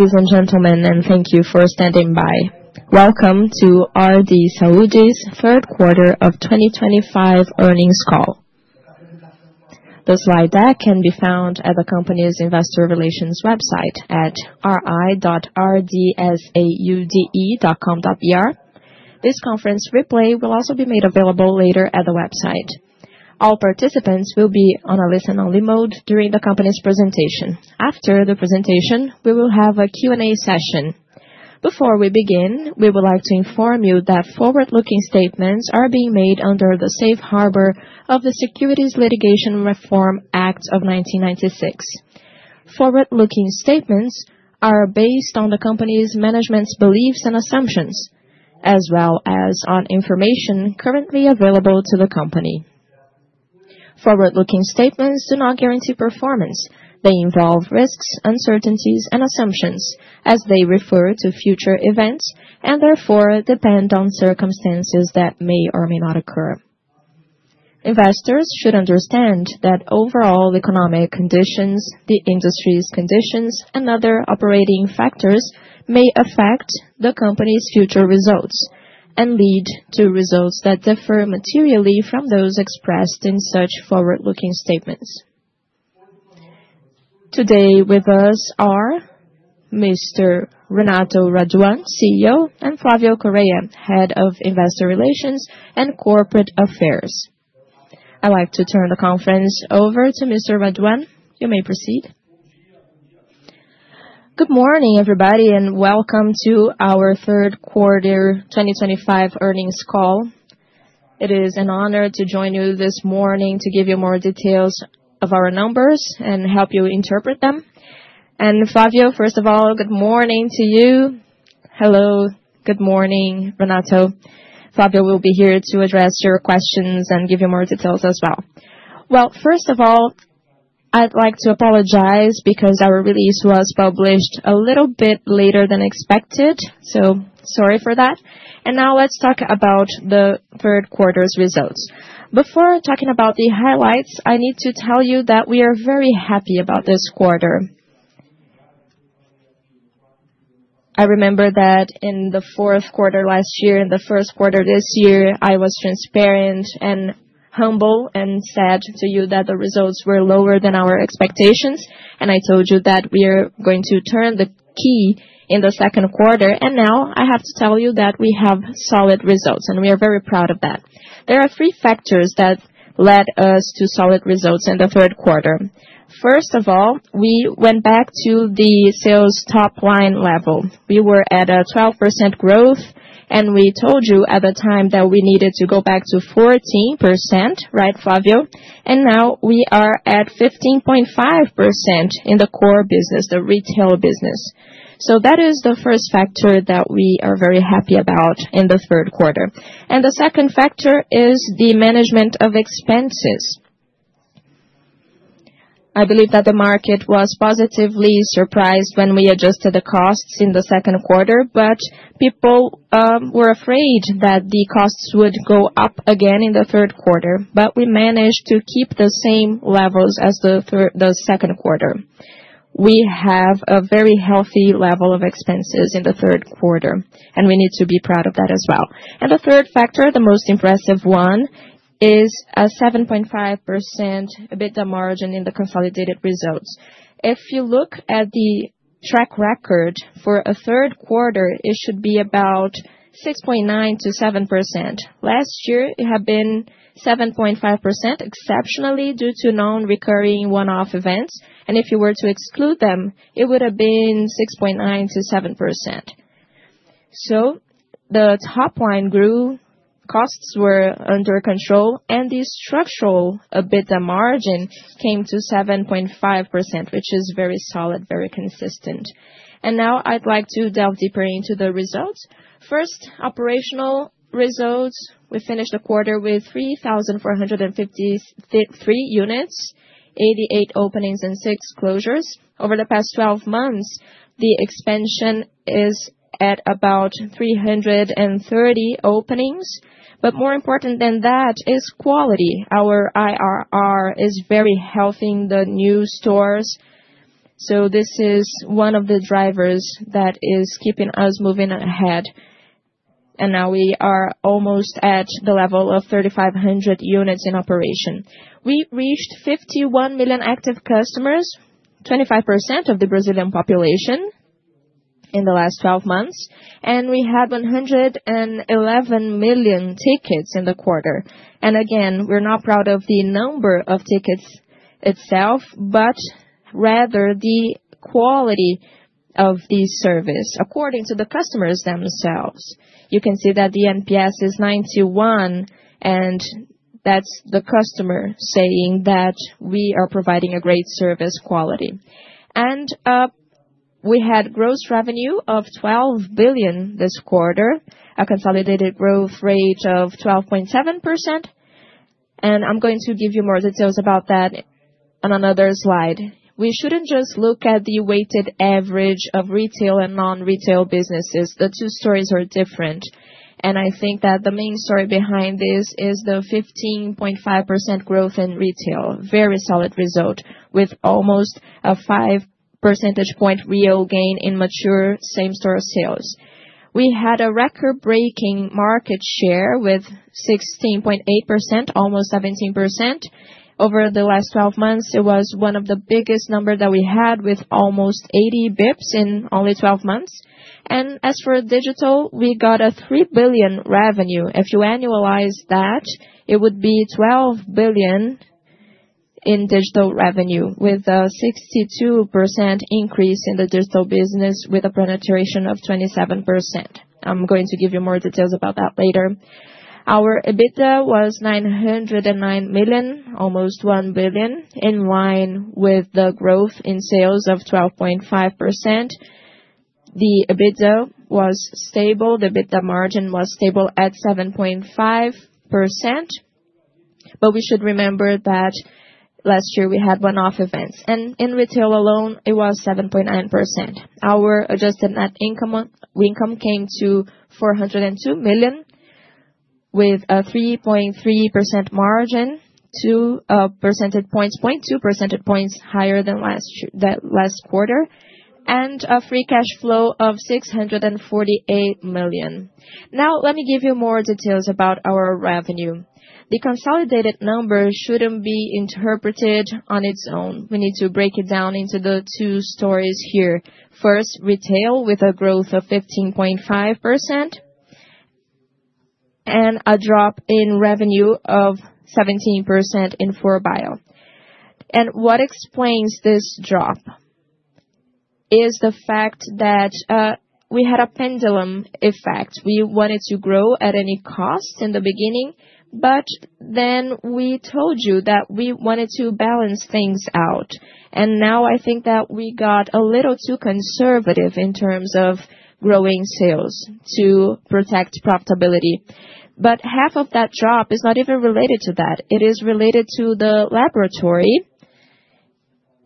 Ladies and gentlemen, and thank you for standing by. Welcome to RD Saúde's Third Quarter of 2025 earnings call. The slide deck can be found at the company's investor relations website at ri.rdsaude.com.br. This conference replay will also be made available later at the website. All participants will be on a listen-only mode during the company's presentation. After the presentation, we will have a Q&A session. Before we begin, we would like to inform you that forward-looking statements are being made under the safe harbor of the Securities Litigation Reform Act of 1995. Forward-looking statements are based on the company's management's beliefs and assumptions, as well as on information currently available to the company. Forward-looking statements do not guarantee performance. They involve risks, uncertainties, and assumptions, as they refer to future events and therefore depend on circumstances that may or may not occur. Investors should understand that overall economic conditions, the industry's conditions, and other operating factors may affect the company's future results and lead to results that differ materially from those expressed in such forward-looking statements. Today with us are Mr. Renato Raduan, CEO, and Flavio Correia, Head of Investor Relations and Corporate Affairs. I'd like to turn the conference over to Mr. Raduan. You may proceed. Good morning, everybody, and welcome to our Third Quarter 2025 Earnings Call. It is an honor to join you this morning to give you more details of our numbers and help you interpret them. And Flavio, first of all, good morning to you. Hello, good morning, Renato. Flavio will be here to address your questions and give you more details as well. Well, first of all, I'd like to apologize because our release was published a little bit later than expected, so sorry for that. And now let's talk about the third quarter's results. Before talking about the highlights, I need to tell you that we are very happy about this quarter. I remember that in the fourth quarter last year, in the first quarter this year, I was transparent and humble and said to you that the results were lower than our expectations, and I told you that we are going to turn the key in the second quarter, and now I have to tell you that we have solid results, and we are very proud of that. There are three factors that led us to solid results in the third quarter. First of all, we went back to the sales top-line level. We were at a 12% growth, and we told you at the time that we needed to go back to 14%, right, Flavio, and now we are at 15.5% in the core business, the retail business, so that is the first factor that we are very happy about in the third quarter. And the second factor is the management of expenses. I believe that the market was positively surprised when we adjusted the costs in the second quarter, but people were afraid that the costs would go up again in the third quarter. But we managed to keep the same levels as the second quarter. We have a very healthy level of expenses in the third quarter, and we need to be proud of that as well. And the third factor, the most impressive one, is a 7.5% EBITDA margin in the consolidated results. If you look at the track record for a third quarter, it should be about 6.9%-7%. Last year, it had been 7.5% exceptionally due to non-recurring one-off events. And if you were to exclude them, it would have been 6.9%-7%. The top-line grew, costs were under control, and the structural EBITDA margin came to 7.5%, which is very solid, very consistent. Now I'd like to delve deeper into the results. First, operational results. We finished the quarter with 3,453 units, 88 openings, and six closures. Over the past 12 months, the expansion is at about 330 openings. More important than that is quality. Our IRR is very healthy in the new stores. This is one of the drivers that is keeping us moving ahead. Now we are almost at the level of 3,500 units in operation. We reached 51 million active customers, 25% of the Brazilian population in the last 12 months, and we had 111 million tickets in the quarter. Again, we're not proud of the number of tickets itself, but rather the quality of the service according to the customers themselves. You can see that the NPS is 91, and that's the customer saying that we are providing a great service quality. And we had gross revenue of 12 billion this quarter, a consolidated growth rate of 12.7%. And I'm going to give you more details about that on another slide. We shouldn't just look at the weighted average of retail and non-retail businesses. The two stories are different. And I think that the main story behind this is the 15.5% growth in retail, a very solid result with almost a 5 percentage point real gain in mature same-store sales. We had a record-breaking market share with 16.8%, almost 17%. Over the last 12 months, it was one of the biggest numbers that we had with almost 80 basis points in only 12 months. And as for digital, we got a 3 billion revenue. If you annualize that, it would be 12 billion in digital revenue with a 62% increase in the digital business with a penetration of 27%. I'm going to give you more details about that later. Our EBITDA was 909 million, almost one billion, in line with the growth in sales of 12.5%. The EBITDA was stable. The EBITDA margin was stable at 7.5%. But we should remember that last year we had one-off events. And in retail alone, it was 7.9%. Our adjusted net income came to 402 million with a 3.3% margin, 2 percentage points, 0.2 percentage points higher than last quarter, and a free cash flow of 648 million. Now, let me give you more details about our revenue. The consolidated number shouldn't be interpreted on its own. We need to break it down into the two stories here. First, retail with a growth of 15.5% and a drop in revenue of 17% in 4Bio. And what explains this drop is the fact that we had a pendulum effect. We wanted to grow at any cost in the beginning, but then we told you that we wanted to balance things out. And now I think that we got a little too conservative in terms of growing sales to protect profitability. But half of that drop is not even related to that. It is related to the laboratory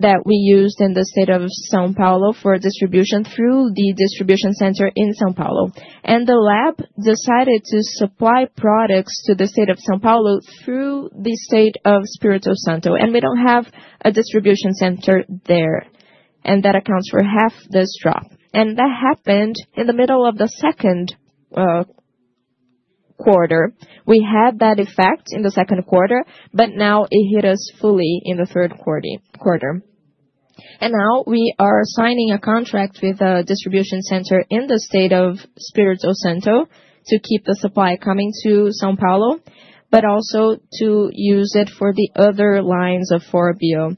that we used in the state of São Paulo for distribution through the distribution center in São Paulo. And the lab decided to supply products to the state of São Paulo through the state of Espírito Santo. And we don't have a distribution center there. And that accounts for half this drop. And that happened in the middle of the second quarter. We had that effect in the second quarter, but now it hit us fully in the third quarter. And now we are signing a contract with a distribution center in the state of Espírito Santo to keep the supply coming to São Paulo, but also to use it for the other lines of 4Bio.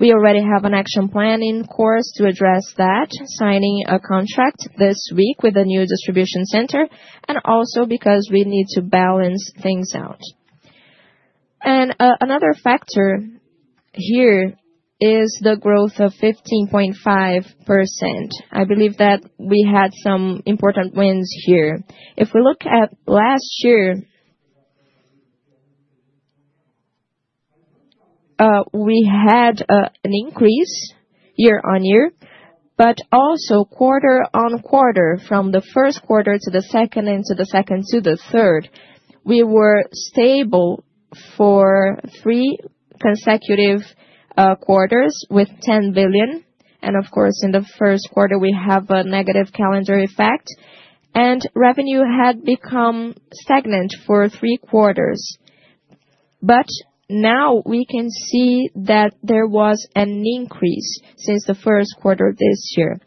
We already have an action plan in course to address that, signing a contract this week with a new distribution center, and also because we need to balance things out. And another factor here is the growth of 15.5%. I believe that we had some important wins here. If we look at last year, we had an increase year on year, but also quarter on quarter from the first quarter to the second and to the second to the third, we were stable for three consecutive quarters with 10 billion. Of course, in the first quarter, we have a negative calendar effect. Revenue had become stagnant for three quarters. Now we can see that there was an increase since the first quarter this year.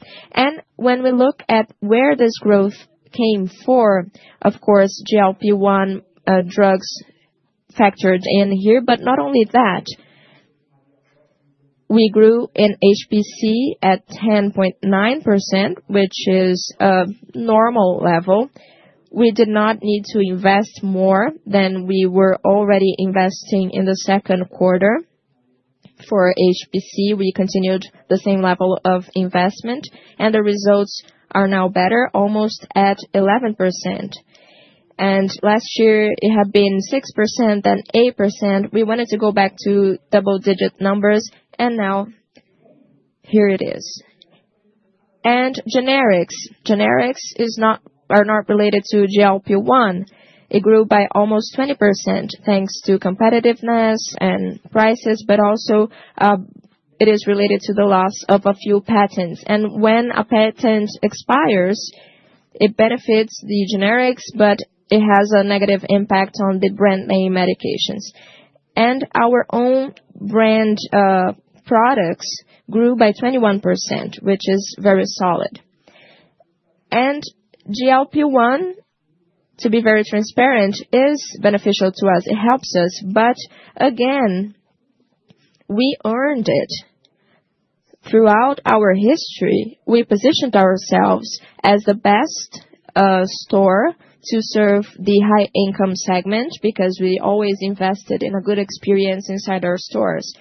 When we look at where this growth came for, of course, GLP-1 drugs factored in here. Not only that, we grew in HPC at 10.9%, which is a normal level. We did not need to invest more than we were already investing in the second quarter for HPC. We continued the same level of investment, and the results are now better, almost at 11%. Last year, it had been 6%, then 8%. We wanted to go back to double-digit numbers, and now here it is. Generics. Generics are not related to GLP-1. It grew by almost 20% thanks to competitiveness and prices, but also it is related to the loss of a few patents. When a patent expires, it benefits the generics, but it has a negative impact on the brand name medications. Our own brand products grew by 21%, which is very solid. GLP-1, to be very transparent, is beneficial to us. It helps us, but again, we earned it. Throughout our history, we positioned ourselves as the best store to serve the high-income segment because we always invested in a good experience inside our stores.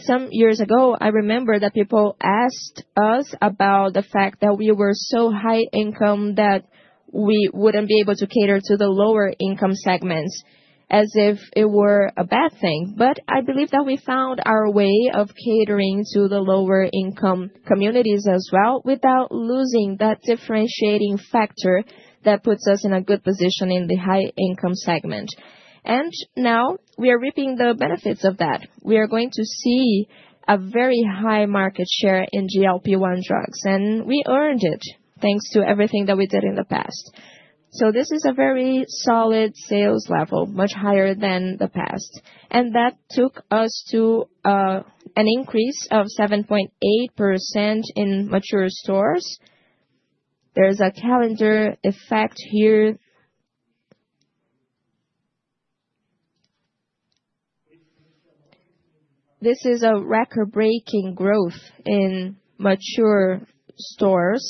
Some years ago, I remember that people asked us about the fact that we were so high-income that we wouldn't be able to cater to the lower-income segments, as if it were a bad thing. But I believe that we found our way of catering to the lower-income communities as well without losing that differentiating factor that puts us in a good position in the high-income segment. And now we are reaping the benefits of that. We are going to see a very high market share in GLP-1 drugs, and we earned it thanks to everything that we did in the past. So this is a very solid sales level, much higher than the past. And that took us to an increase of 7.8% in mature stores. There's a calendar effect here. This is a record-breaking growth in mature stores.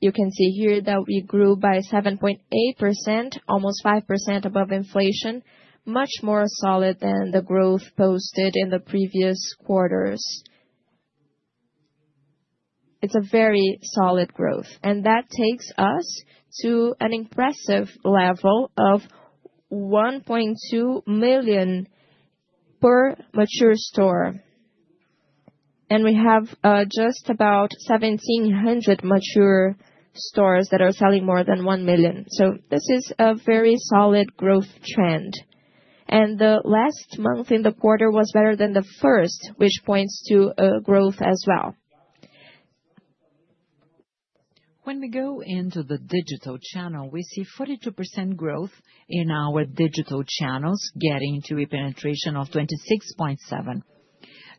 You can see here that we grew by 7.8%, almost 5% above inflation, much more solid than the growth posted in the previous quarters. It's a very solid growth. And that takes us to an impressive level of 1.2 million per mature store. We have just about 1,700 mature stores that are selling more than 1 million. This is a very solid growth trend. The last month in the quarter was better than the first, which points to a growth as well. When we go into the digital channel, we see 42% growth in our digital channels, getting to a penetration of 26.7%.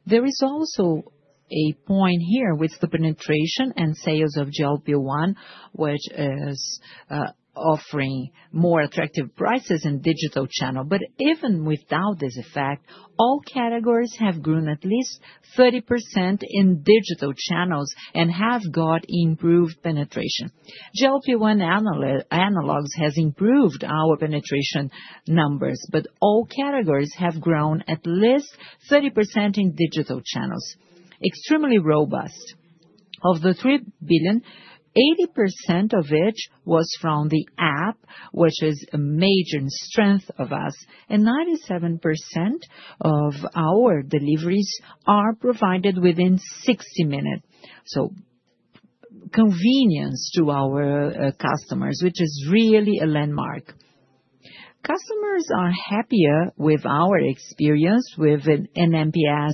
There is also a point here with the penetration and sales of GLP-1, which is offering more attractive prices in digital channels. Even without this effect, all categories have grown at least 30% in digital channels and have got improved penetration. GLP-1 analogs have improved our penetration numbers, but all categories have grown at least 30% in digital channels. Extremely robust. Of the 3 billion, 80% of it was from the app, which is a major strength of us. 97% of our deliveries are provided within 60 minutes. Convenience to our customers, which is really a landmark. Customers are happier with our experience with an NPS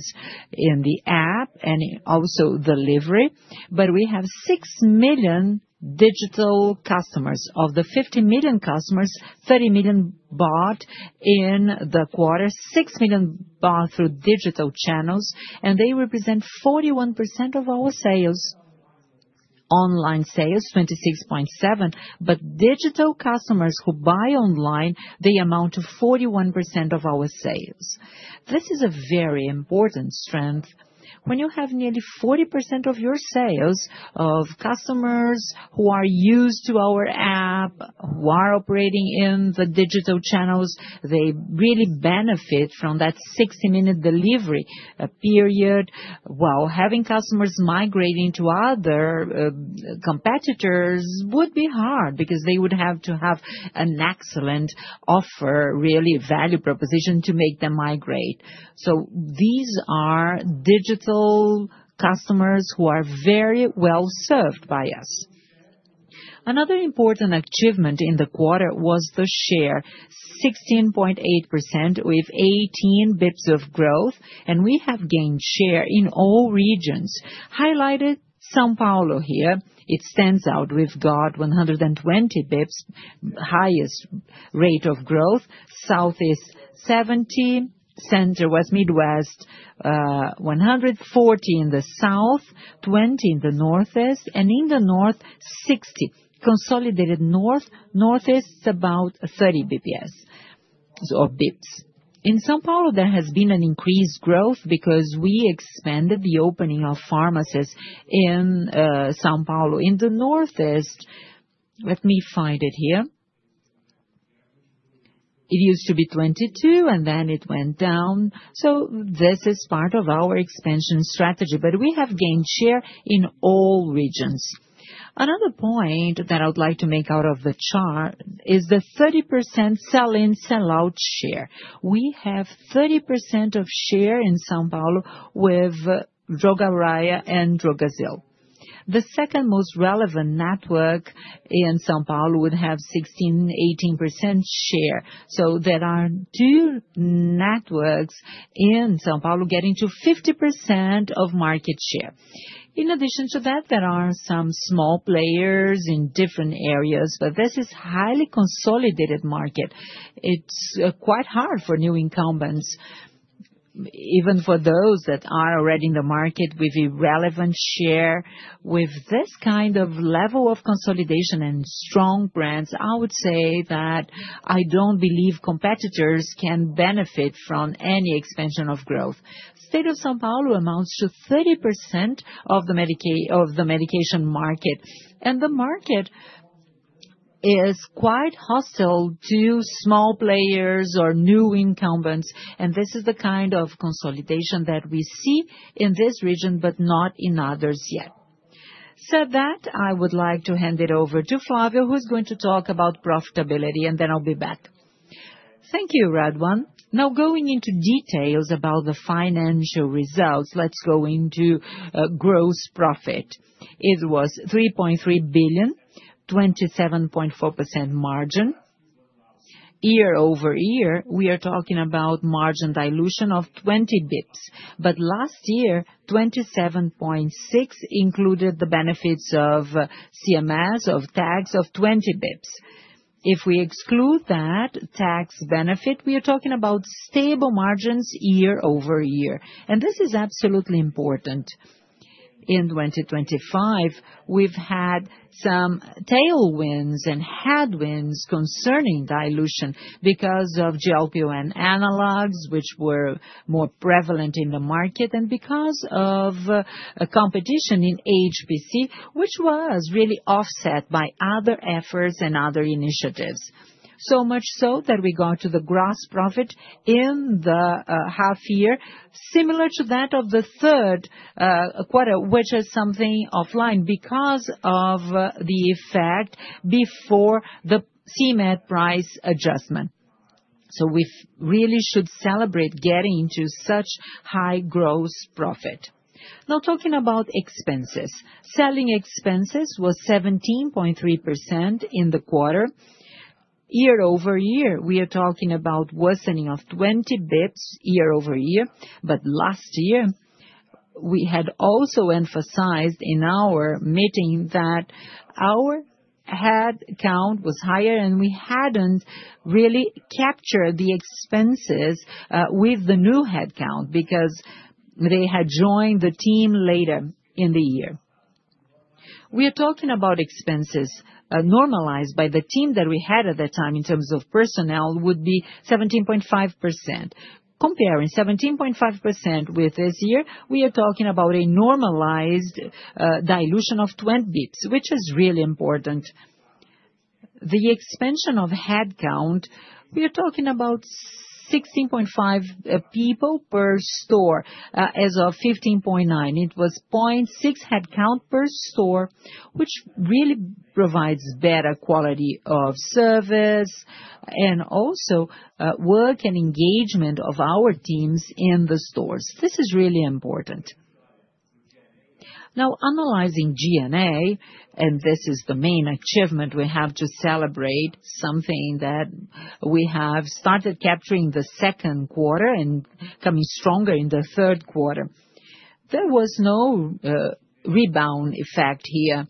in the app and also delivery. We have six million digital customers. Of the 50 million customers, 30 million bought in the quarter, six million bought through digital channels, and they represent 41% of our sales. Online sales, 26.7%. Digital customers who buy online, they amount to 41% of our sales. This is a very important strength. When you have nearly 40% of your sales of customers who are used to our app, who are operating in the digital channels, they really benefit from that 60-minute delivery period. While having customers migrating to other competitors would be hard because they would have to have an excellent offer, really value proposition, to make them migrate. So these are digital customers who are very well served by us. Another important achievement in the quarter was the share, 16.8% with 18 basis points of growth, and we have gained share in all regions. Highlighted São Paulo here. It stands out. We've got 120 basis points, highest rate of growth. South is 70. Center-West, 140 in the South, 20 in the Northeast, and in the North, 60. Consolidated North, Northeast, about 30 basis points. In São Paulo, there has been an increased growth because we expanded the opening of pharmacies in São Paulo. In the Northeast, let me find it here. It used to be 22, and then it went down. So this is part of our expansion strategy, but we have gained share in all regions. Another point that I would like to make out of the chart is the 30% sell-in, sell-out share. We have 30% share in São Paulo with Raia and Drogasil. The second most relevant network in São Paulo would have 16%-18% share. So there are two networks in São Paulo getting to 50% of market share. In addition to that, there are some small players in different areas, but this is a highly consolidated market. It's quite hard for new incumbents, even for those that are already in the market with a relevant share. With this kind of level of consolidation and strong brands, I would say that I don't believe competitors can benefit from any expansion of growth. The state of São Paulo amounts to 30% of the medication market, and the market is quite hostile to small players or new incumbents, and this is the kind of consolidation that we see in this region, but not in others yet. That said, I would like to hand it over to Flavio, who is going to talk about profitability, and then I'll be back. Thank you, Raduan. Now, going into details about the financial results, let's go into gross profit. It was 3.3 billion, 27.4% margin. Year over year, we are talking about margin dilution of 20 basis points. But last year, 27.6% included the benefits of ICMS, of tax, of 20 basis points. If we exclude that tax benefit, we are talking about stable margins year over year. This is absolutely important. In 2025, we've had some tailwinds and headwinds concerning dilution because of GLP-1 analogs, which were more prevalent in the market, and because of competition in HPC, which was really offset by other efforts and other initiatives. So much so that we got to the gross profit in the half year, similar to that of the third quarter, which is something offline because of the effect before the CMED price adjustment. So we really should celebrate getting to such high gross profit. Now, talking about expenses, selling expenses was 17.3% in the quarter. Year over year, we are talking about worsening of 20 basis points year over year. But last year, we had also emphasized in our meeting that our headcount was higher, and we hadn't really captured the expenses with the new headcount because they had joined the team later in the year. We are talking about expenses normalized by the team that we had at the time in terms of personnel would be 17.5%. Comparing 17.5% with this year, we are talking about a normalized dilution of 20 basis points, which is really important. The expansion of headcount, we are talking about 16.5 people per store as of 15.9. It was 0.6 headcount per store, which really provides better quality of service and also work and engagement of our teams in the stores. This is really important. Now, analyzing SG&A, and this is the main achievement we have to celebrate, something that we have started capturing the second quarter and coming stronger in the third quarter. There was no rebound effect here.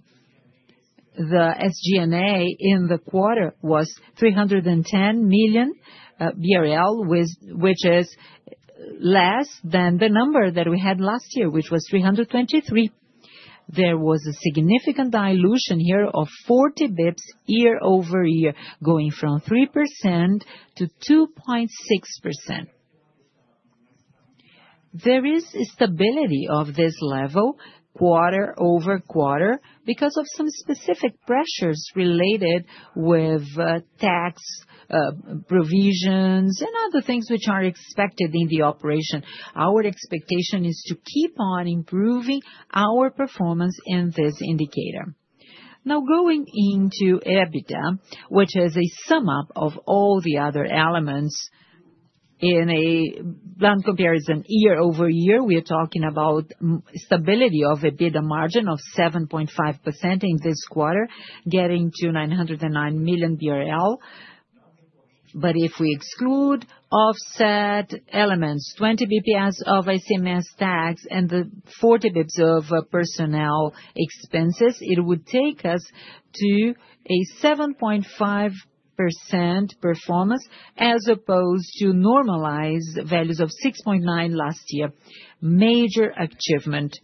The SG&A in the quarter was 310 million BRL, which is less than the number that we had last year, which was 323 million. There was a significant dilution here of 40 basis points year over year, going from 3% to 2.6%. There is stability of this level quarter over quarter because of some specific pressures related with tax provisions and other things which are expected in the operation. Our expectation is to keep on improving our performance in this indicator. Now, going into EBITDA, which is a sum up of all the other elements in a blunt comparison year over year, we are talking about stability of EBITDA margin of 7.5% in this quarter, getting to 909 million BRL. But if we exclude offset elements, 20 basis points of ICMS tax and the 40 basis points of personnel expenses, it would take us to a 7.5% performance as opposed to normalized values of 6.9% last year. Major achievement.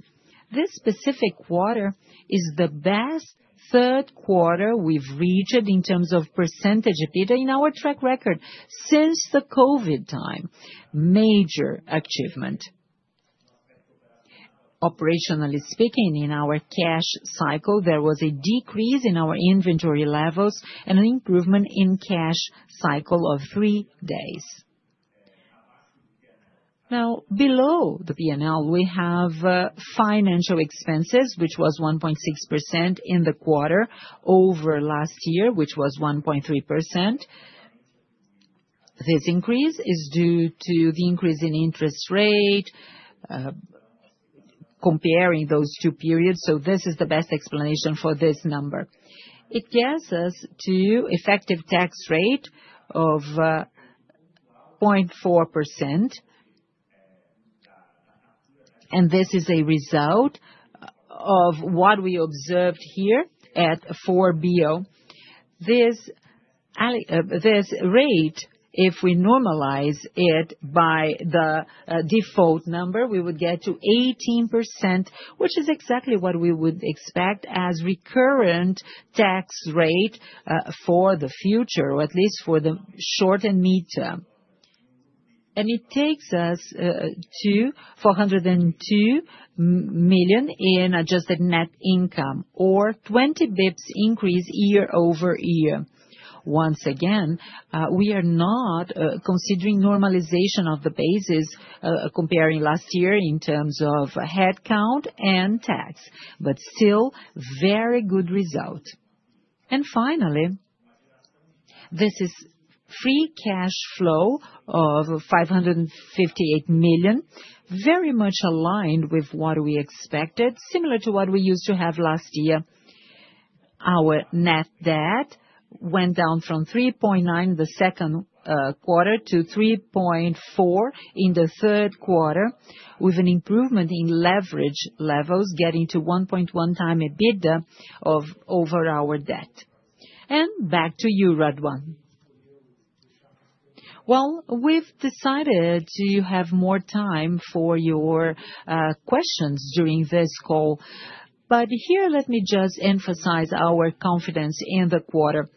This specific quarter is the best third quarter we've reached in terms of percentage EBITDA in our track record since the COVID time. Major achievement. Operationally speaking, in our cash cycle, there was a decrease in our inventory levels and an improvement in cash cycle of three days. Now, below the P&L, we have financial expenses, which was 1.6% in the quarter over last year, which was 1.3%. This increase is due to the increase in interest rate comparing those two periods, so this is the best explanation for this number. It gets us to an effective tax rate of 0.4%. This is a result of what we observed here at 4Bio. This rate, if we normalize it by the default number, we would get to 18%, which is exactly what we would expect as a recurrent tax rate for the future, or at least for the short and mid term. It takes us to 402 million in adjusted net income, or 20 basis points increase year over year. Once again, we are not considering normalization of the basis comparing last year in terms of headcount and tax, but still very good result. Finally, this is free cash flow of 558 million, very much aligned with what we expected, similar to what we used to have last year. Our net debt went down from 3.9 billion in the second quarter to 3.4 billion in the third quarter, with an improvement in leverage levels getting to 1.1 times EBITDA over our debt. And back to you, Raduan. Well, we've decided to have more time for your questions during this call, but here let me just emphasize our confidence in the quarter.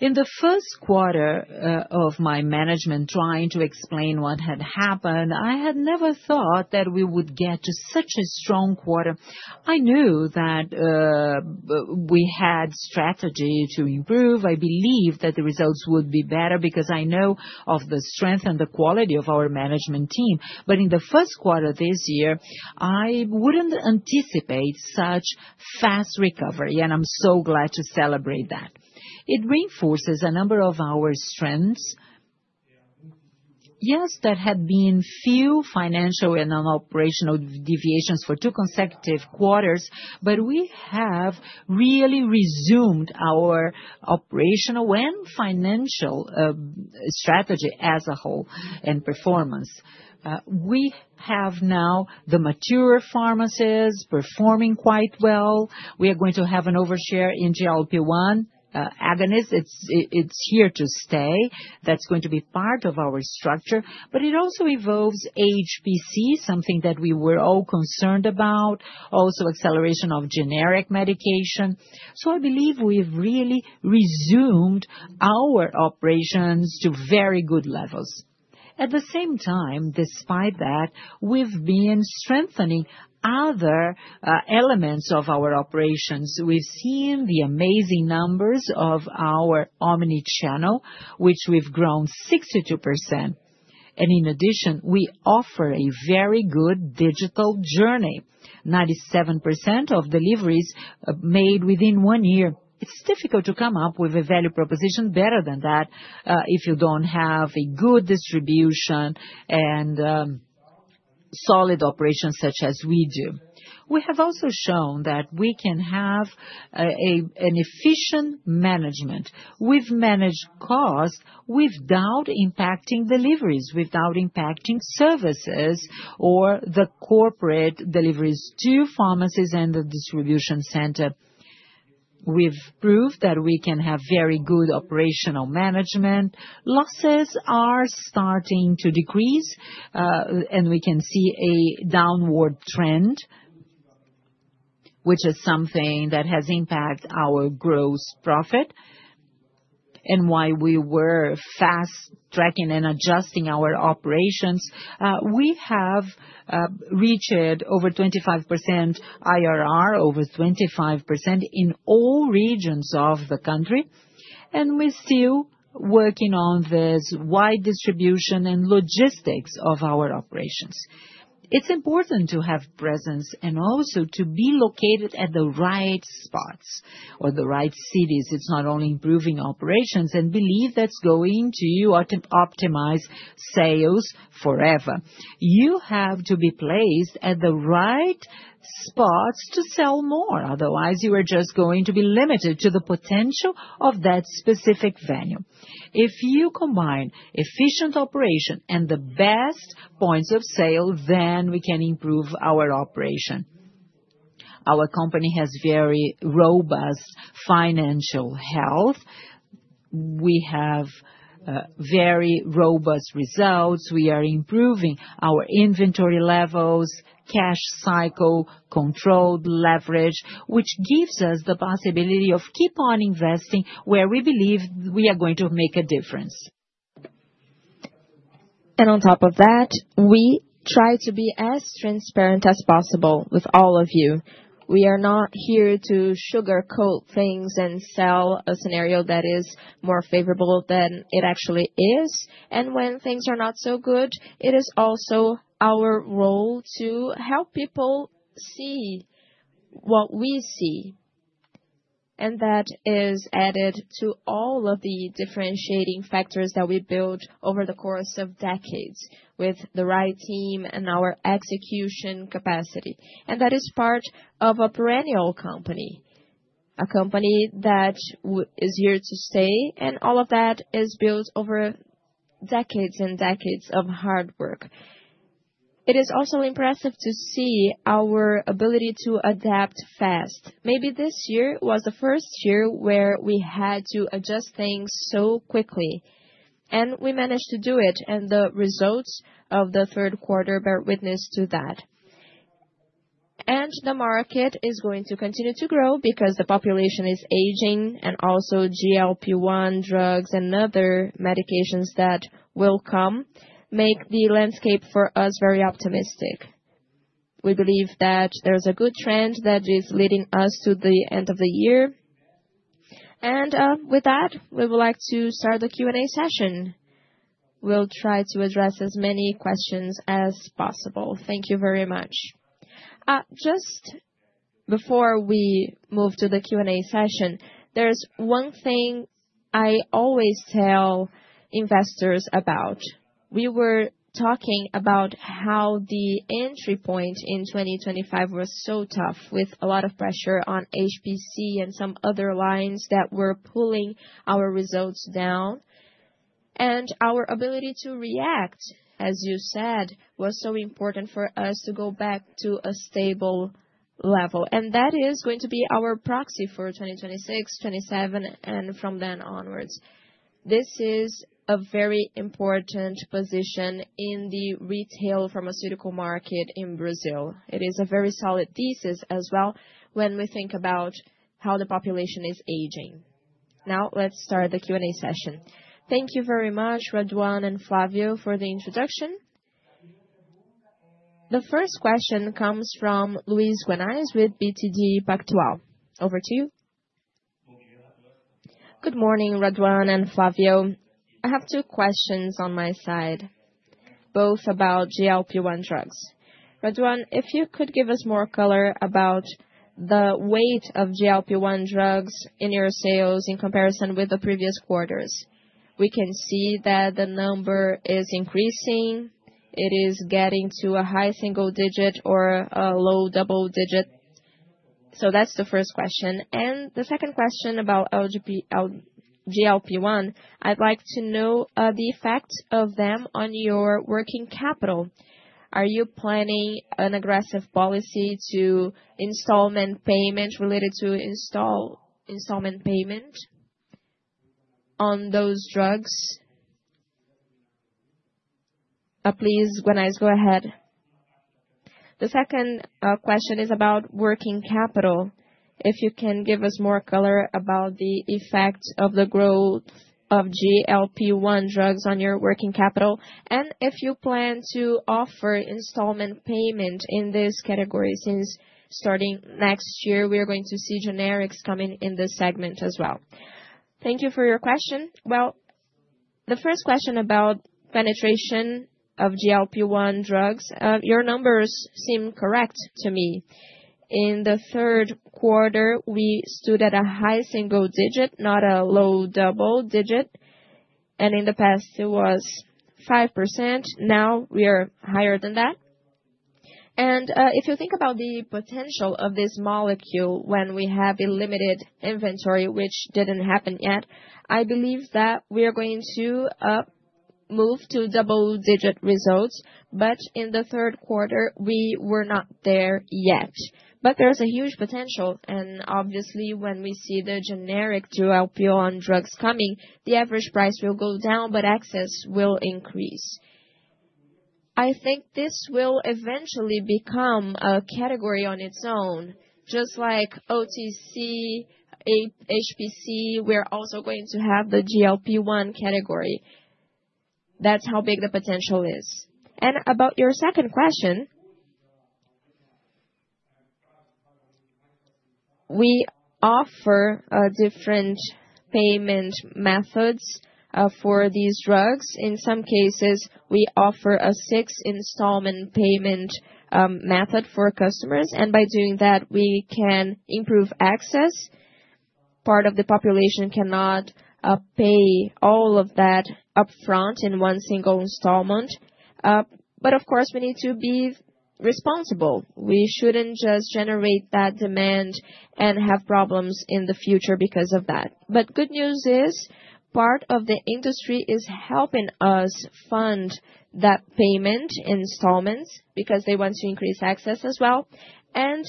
In the first quarter of my management, trying to explain what had happened, I had never thought that we would get to such a strong quarter. I knew that we had strategy to improve. I believed that the results would be better because I know of the strength and the quality of our management team. But in the first quarter this year, I wouldn't anticipate such fast recovery, and I'm so glad to celebrate that. It reinforces a number of our strengths. Yes, there had been few financial and operational deviations for two consecutive quarters, but we have really resumed our operational and financial strategy as a whole and performance. We have now the mature pharmacies performing quite well. We are going to have an overshare in GLP-1 agonist. It's here to stay. That's going to be part of our structure. But it also involves HPC, something that we were all concerned about, also acceleration of generic medication. So I believe we've really resumed our operations to very good levels. At the same time, despite that, we've been strengthening other elements of our operations. We've seen the amazing numbers of our omnichannel, which we've grown 62%. And in addition, we offer a very good digital journey, 97% of deliveries made within one year. It's difficult to come up with a value proposition better than that if you don't have a good distribution and solid operations such as we do. We have also shown that we can have an efficient management. We've managed costs without impacting deliveries, without impacting services or the corporate deliveries to pharmacies and the distribution center. We've proved that we can have very good operational management. Losses are starting to decrease, and we can see a downward trend, which is something that has impacted our gross profit and why we were fast tracking and adjusting our operations. We have reached over 25% IRR, over 25% in all regions of the country, and we're still working on this wide distribution and logistics of our operations. It's important to have presence and also to be located at the right spots or the right cities. It's not only improving operations, and I believe that's going to optimize sales forever. You have to be placed at the right spots to sell more. Otherwise, you are just going to be limited to the potential of that specific venue. If you combine efficient operation and the best points of sale, then we can improve our operation. Our company has very robust financial health. We have very robust results. We are improving our inventory levels, cash cycle, controlled leverage, which gives us the possibility of keep on investing where we believe we are going to make a difference. And on top of that, we try to be as transparent as possible with all of you. We are not here to sugarcoat things and sell a scenario that is more favorable than it actually is. And when things are not so good, it is also our role to help people see what we see. And that is added to all of the differentiating factors that we built over the course of decades with the right team and our execution capacity. And that is part of a perennial company, a company that is here to stay, and all of that is built over decades and decades of hard work. It is also impressive to see our ability to adapt fast. Maybe this year was the first year where we had to adjust things so quickly, and we managed to do it, and the results of the third quarter bear witness to that. The market is going to continue to grow because the population is aging, and also GLP-1 drugs and other medications that will come make the landscape for us very optimistic. We believe that there's a good trend that is leading us to the end of the year. With that, we would like to start the Q&A session. We'll try to address as many questions as possible. Thank you very much. Just before we move to the Q&A session, there's one thing I always tell investors about. We were talking about how the entry point in 2025 was so tough with a lot of pressure on HPC and some other lines that were pulling our results down. Our ability to react, as you said, was so important for us to go back to a stable level. That is going to be our proxy for 2026, 2027, and from then onwards. This is a very important position in the retail pharmaceutical market in Brazil. It is a very solid thesis as well when we think about how the population is aging. Now, let's start the Q&A session. Thank you very much, Raduan and Flavio, for the introduction. The first question comes from Luiz Guanais with BTG Pactual. Over to you. Good morning, Raduan and Flavio. I have two questions on my side, both about GLP-1 drugs. Raduan, if you could give us more color about the weight of GLP-1 drugs in your sales in comparison with the previous quarters. We can see that the number is increasing. It is getting to a high single digit or a low double digit. So that's the first question. The second question about GLP-1, I'd like to know the effect of them on your working capital. Are you planning an aggressive policy to installment payment related to installment payment on those drugs? Please, Guanais, go ahead. The second question is about working capital. If you can give us more color about the effect of the growth of GLP-1 drugs on your working capital, and if you plan to offer installment payment in this category since starting next year, we are going to see generics coming in this segment as well. Thank you for your question. The first question about penetration of GLP-1 drugs, your numbers seem correct to me. In the third quarter, we stood at a high single digit, not a low double digit. In the past, it was 5%. Now we are higher than that. And if you think about the potential of this molecule when we have a limited inventory, which didn't happen yet, I believe that we are going to move to double-digit results. But in the third quarter, we were not there yet. But there's a huge potential. And obviously, when we see the generic GLP-1 drugs coming, the average price will go down, but access will increase. I think this will eventually become a category on its own, just like OTC, HPC. We're also going to have the GLP-1 category. That's how big the potential is. And about your second question, we offer different payment methods for these drugs. In some cases, we offer a six-installment payment method for customers. And by doing that, we can improve access. Part of the population cannot pay all of that upfront in one single installment. But of course, we need to be responsible. We shouldn't just generate that demand and have problems in the future because of that. But good news is part of the industry is helping us fund that payment installments because they want to increase access as well. And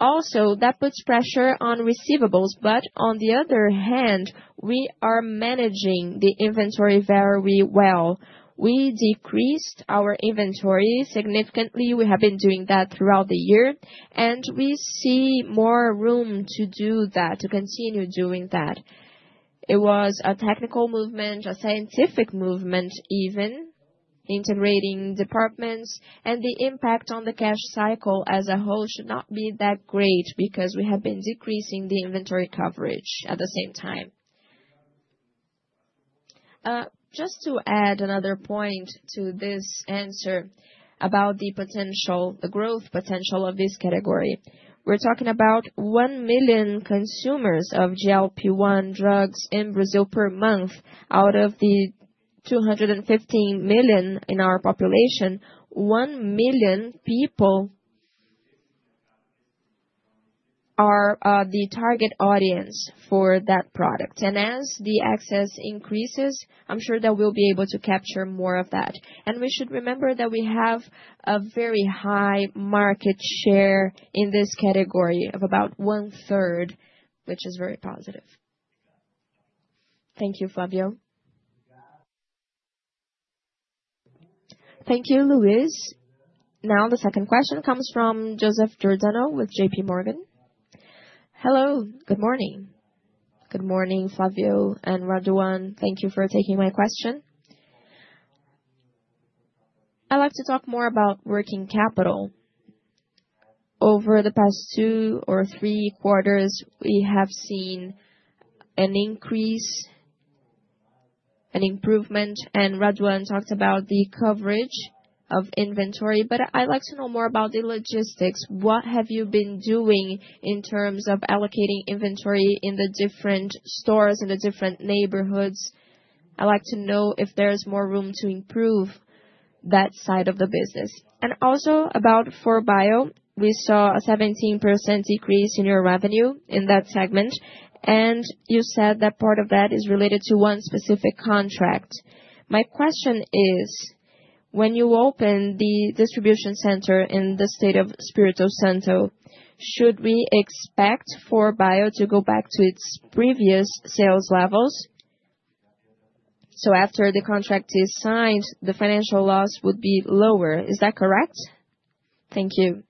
also, that puts pressure on receivables. But on the other hand, we are managing the inventory very well. We decreased our inventory significantly. We have been doing that throughout the year, and we see more room to do that, to continue doing that. It was a technical movement, a scientific movement even, integrating departments. And the impact on the cash cycle as a whole should not be that great because we have been decreasing the inventory coverage at the same time. Just to add another point to this answer about the potential, the growth potential of this category, we're talking about one million consumers of GLP-1 drugs in Brazil per month. Out of the 215 million in our population, 1 million people are the target audience for that product. And as the access increases, I'm sure that we'll be able to capture more of that. And we should remember that we have a very high market share in this category of about one-third, which is very positive. Thank you, Flavio. Thank you, Luiz. Now, the second question comes from Joseph Giordano with JPMorgan. Hello, good morning. Good morning, Flavio and Raduan. Thank you for taking my question. I'd like to talk more about working capital. Over the past two or three quarters, we have seen an increase, an improvement. And Raduan talked about the coverage of inventory, but I'd like to know more about the logistics. What have you been doing in terms of allocating inventory in the different stores in the different neighborhoods? I'd like to know if there's more room to improve that side of the business. And also about 4Bio, we saw a 17% decrease in your revenue in that segment, and you said that part of that is related to one specific contract. My question is, when you open the distribution center in the state of Espírito Santo, should we expect 4Bio to go back to its previous sales levels? So after the contract is signed, the financial loss would be lower. Is that correct? Thank you.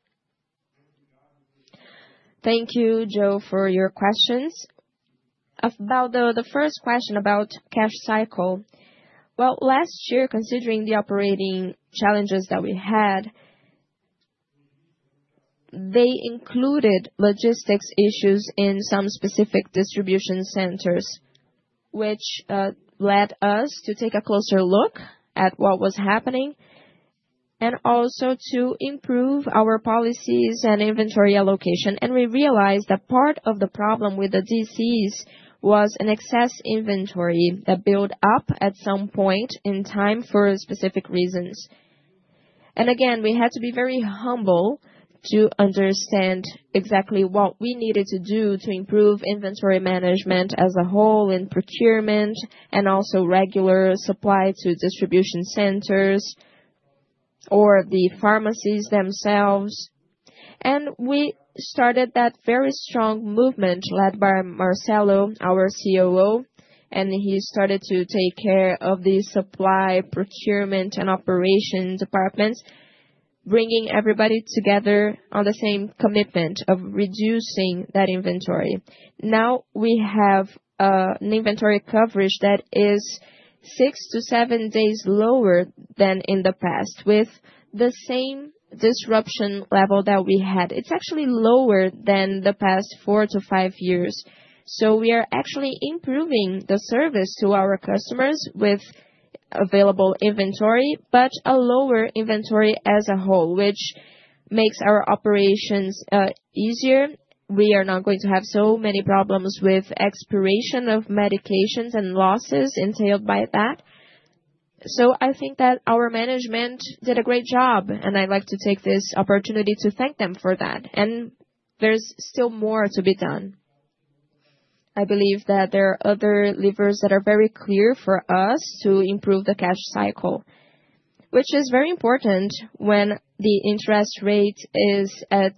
Thank you, Joe, for your questions. About the first question about cash cycle. Well, last year, considering the operating challenges that we had, they included logistics issues in some specific distribution centers, which led us to take a closer look at what was happening and also to improve our policies and inventory allocation. We realized that part of the problem with the DCs was an excess inventory that built up at some point in time for specific reasons. Again, we had to be very humble to understand exactly what we needed to do to improve inventory management as a whole in procurement and also regular supply to distribution centers or the pharmacies themselves. We started that very strong movement led by Marcelo, our COO, and he started to take care of the supply, procurement, and operation departments, bringing everybody together on the same commitment of reducing that inventory. Now we have an inventory coverage that is six to seven days lower than in the past with the same disruption level that we had. It's actually lower than the past four to five years. So we are actually improving the service to our customers with available inventory, but a lower inventory as a whole, which makes our operations easier. We are not going to have so many problems with expiration of medications and losses entailed by that. So I think that our management did a great job, and I'd like to take this opportunity to thank them for that. And there's still more to be done. I believe that there are other levers that are very clear for us to improve the cash cycle, which is very important when the interest rate is at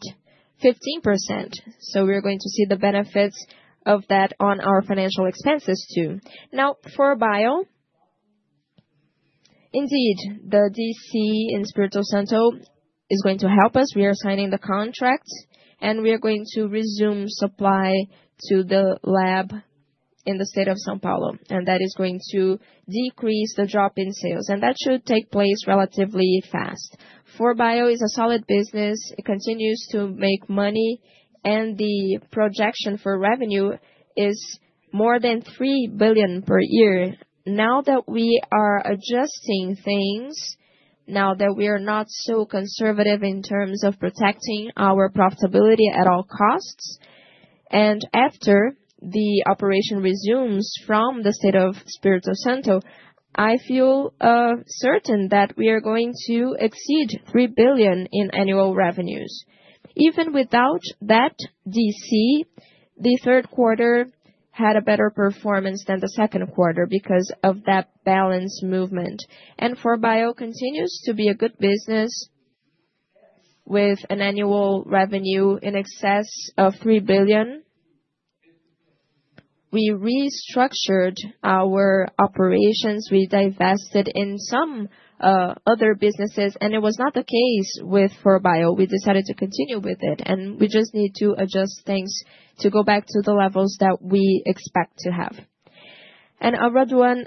15%. So we're going to see the benefits of that on our financial expenses too. Now, 4Bio, indeed, the DC in Espírito Santo is going to help us. We are signing the contract, and we are going to resume supply to the lab in the state of São Paulo. That is going to decrease the drop in sales. That should take place relatively fast. 4Bio is a solid business. It continues to make money, and the projection for revenue is more than 3 billion per year. Now that we are adjusting things, now that we are not so conservative in terms of protecting our profitability at all costs, and after the operation resumes from the state of Espírito Santo, I feel certain that we are going to exceed 3 billion in annual revenues. Even without that DC, the third quarter had a better performance than the second quarter because of that balance movement. 4Bio continues to be a good business with an annual revenue in excess of 3 billion. We restructured our operations. We divested in some other businesses, and it was not the case with 4Bio. We decided to continue with it, and we just need to adjust things to go back to the levels that we expect to have And Raduan,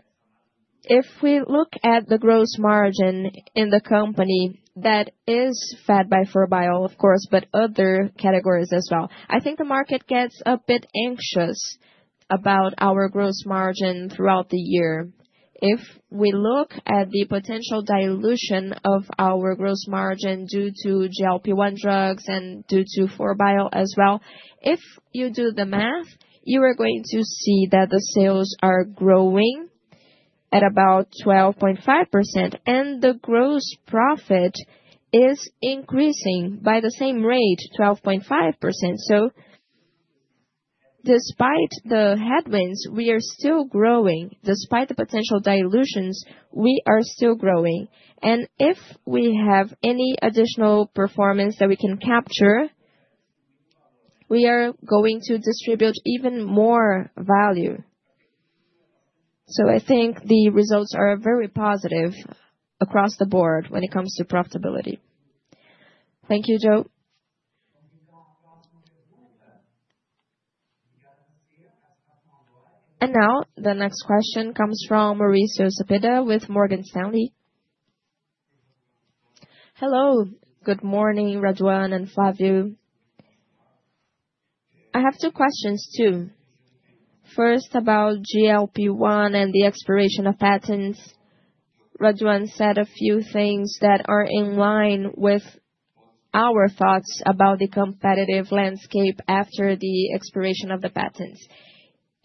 if we look at the gross margin in the company, that is fed by 4Bio, of course, but other categories as well. I think the market gets a bit anxious about our gross margin throughout the year. If we look at the potential dilution of our gross margin due to GLP-1 drugs and due to 4Bio as well, if you do the math, you are going to see that the sales are growing at about 12.5%, and the gross profit is increasing by the same rate, 12.5%, so despite the headwinds, we are still growing. Despite the potential dilutions, we are still growing, and if we have any additional performance that we can capture, we are going to distribute even more value. I think the results are very positive across the board when it comes to profitability. Thank you, Joe. Now the next question comes from Mauricio Cepeda with Morgan Stanley. Hello, good morning, Raduan and Flavio. I have two questions too. First, about GLP-1 and the expiration of patents. Raduan said a few things that are in line with our thoughts about the competitive landscape after the expiration of the patents.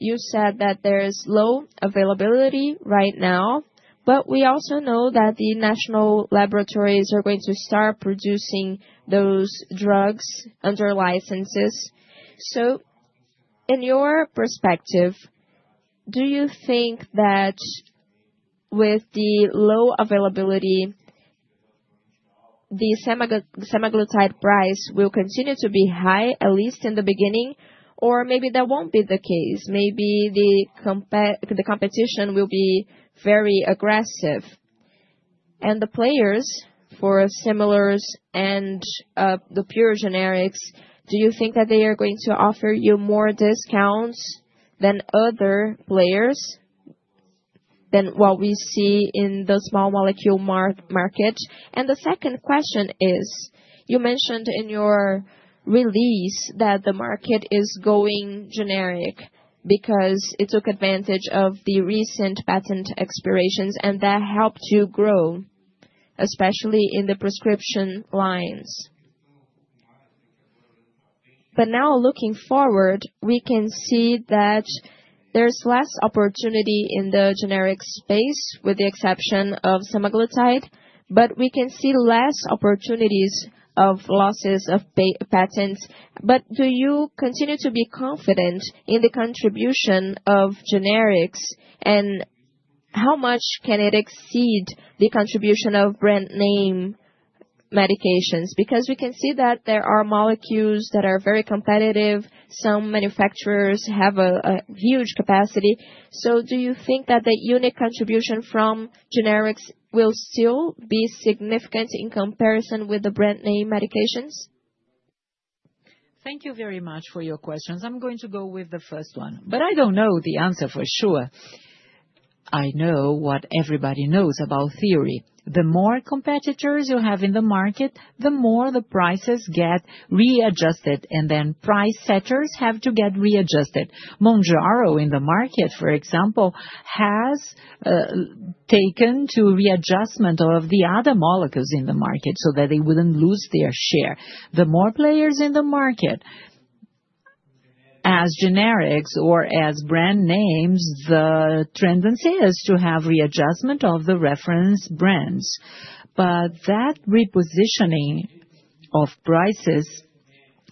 You said that there's low availability right now, but we also know that the national laboratories are going to start producing those drugs under licenses. In your perspective, do you think that with the low availability, the semaglutide price will continue to be high, at least in the beginning, or maybe that won't be the case? Maybe the competition will be very aggressive. And the players for similars and the pure generics, do you think that they are going to offer you more discounts than other players than what we see in the small molecule market? And the second question is, you mentioned in your release that the market is going generic because it took advantage of the recent patent expirations, and that helped you grow, especially in the prescription lines. But now looking forward, we can see that there's less opportunity in the generic space with the exception of semaglutide, but we can see less opportunities of losses of patents. But do you continue to be confident in the contribution of generics, and how much can it exceed the contribution of brand name medications? Because we can see that there are molecules that are very competitive. Some manufacturers have a huge capacity. So, do you think that the unique contribution from generics will still be significant in comparison with the brand name medications? Thank you very much for your questions. I'm going to go with the first one, but I don't know the answer for sure. I know what everybody knows about theory. The more competitors you have in the market, the more the prices get readjusted, and then price setters have to get readjusted. Mounjaro in the market, for example, has taken to readjustment of the other molecules in the market so that they wouldn't lose their share. The more players in the market, as generics or as brand names, the trend then is to have readjustment of the reference brands. But that repositioning of prices,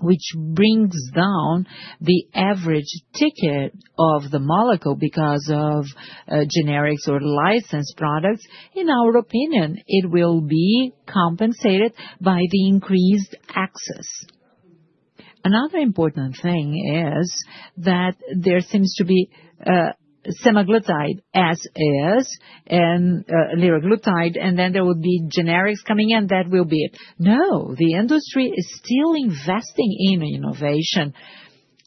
which brings down the average ticket of the molecule because of generics or licensed products, in our opinion, it will be compensated by the increased access. Another important thing is that there seems to be semaglutide as is and liraglutide, and then there would be generics coming in that will be it. No, the industry is still investing in innovation.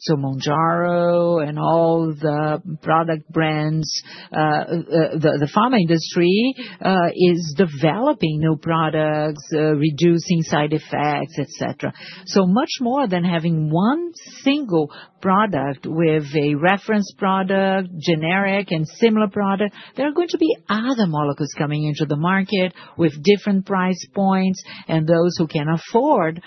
So Mounjaro and all the product brands, the pharma industry is developing new products, reducing side effects, etc. So much more than having one single product with a reference product, generic, and similar product, there are going to be other molecules coming into the market with different price points, and those who can afford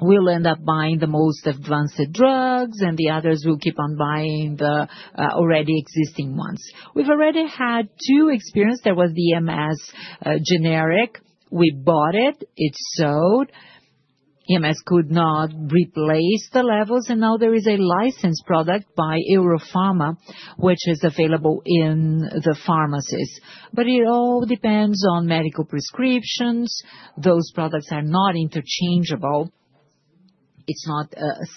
will end up buying the most advanced drugs, and the others will keep on buying the already existing ones. We've already had two experiences. There was the EMS generic. We bought it. It sold. EMS could not replace the levels, and now there is a licensed product by Eurofarma, which is available in the pharmacies. But it all depends on medical prescriptions. Those products are not interchangeable. It's not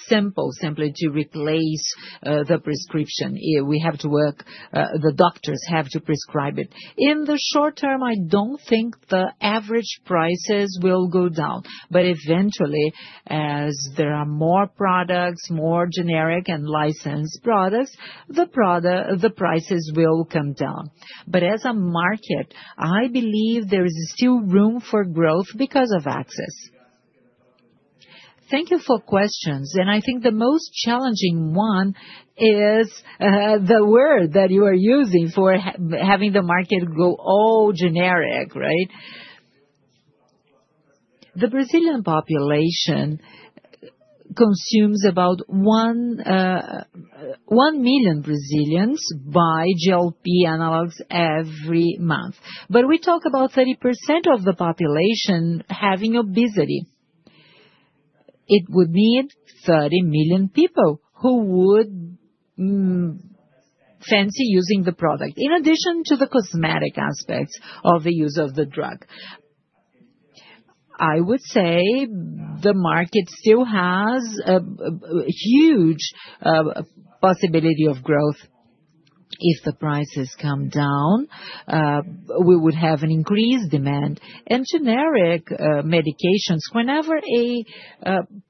simple simply to replace the prescription. We have to work. The doctors have to prescribe it. In the short term, I don't think the average prices will go down. But eventually, as there are more products, more generic and licensed products, the prices will come down. But as a market, I believe there is still room for growth because of access. Thank you for questions. And I think the most challenging one is the word that you are using for having the market go all generic, right? The Brazilian population consumes about 1 million Brazilians by GLP-1 analogs every month. But we talk about 30% of the population having obesity. It would need 30 million people who would fancy using the product, in addition to the cosmetic aspects of the use of the drug. I would say the market still has a huge possibility of growth. If the prices come down, we would have an increased demand, and generic medications, whenever a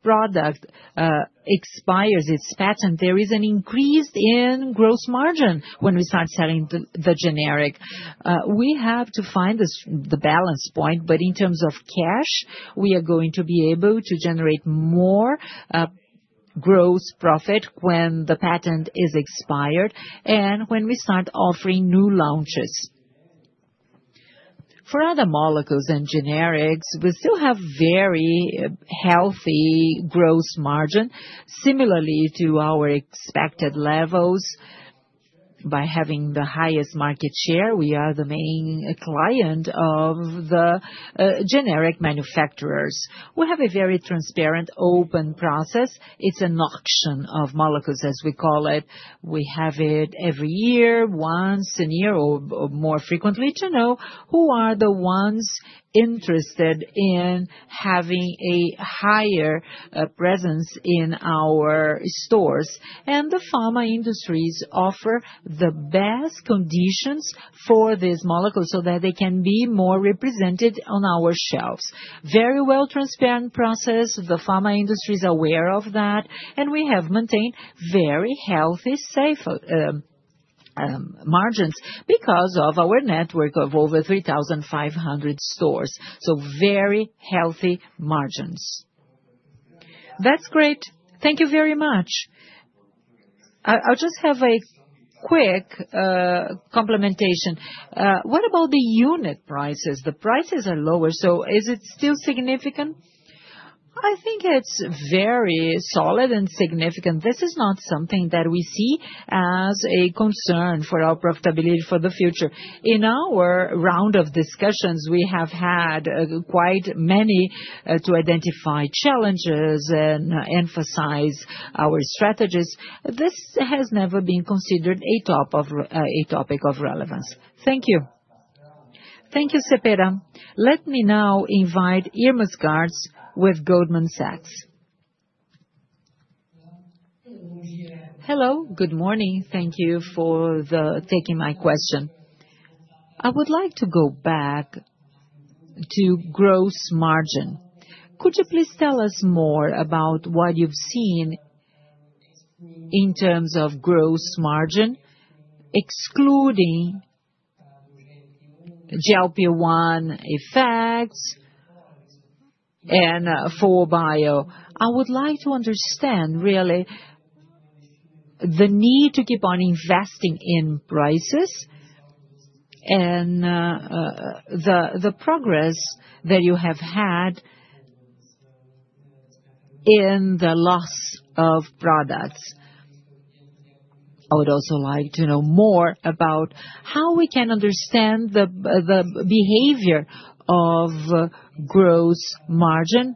product expires its patent, there is an increase in gross margin when we start selling the generic. We have to find the balance point, but in terms of cash, we are going to be able to generate more gross profit when the patent is expired and when we start offering new launches. For other molecules and generics, we still have very healthy gross margin, similarly to our expected levels. By having the highest market share, we are the main client of the generic manufacturers. We have a very transparent, open process. It's an auction of molecules, as we call it. We have it every year, once a year or more frequently, to know who are the ones interested in having a higher presence in our stores. And the pharma industries offer the best conditions for these molecules so that they can be more represented on our shelves. Very well transparent process. The pharma industry is aware of that, and we have maintained very healthy, safe margins because of our network of over 3,500 stores. So very healthy margins. That's great. Thank you very much. I'll just have a quick complement. What about the unit prices? The prices are lower, so is it still significant? I think it's very solid and significant. This is not something that we see as a concern for our profitability for the future. In our round of discussions, we have had quite many to identify challenges and emphasize our strategies. This has never been considered a topic of relevance. Thank you. Thank you, Zagottis. Let me now invite Irma Sgarz with Goldman Sachs. Hello, good morning. Thank you for taking my question. I would like to go back to gross margin. Could you please tell us more about what you've seen in terms of gross margin, excluding GLP-1 effects and 4Bio? I would like to understand, really, the need to keep on investing in prices and the progress that you have had in the loss of products. I would also like to know more about how we can understand the behavior of gross margin,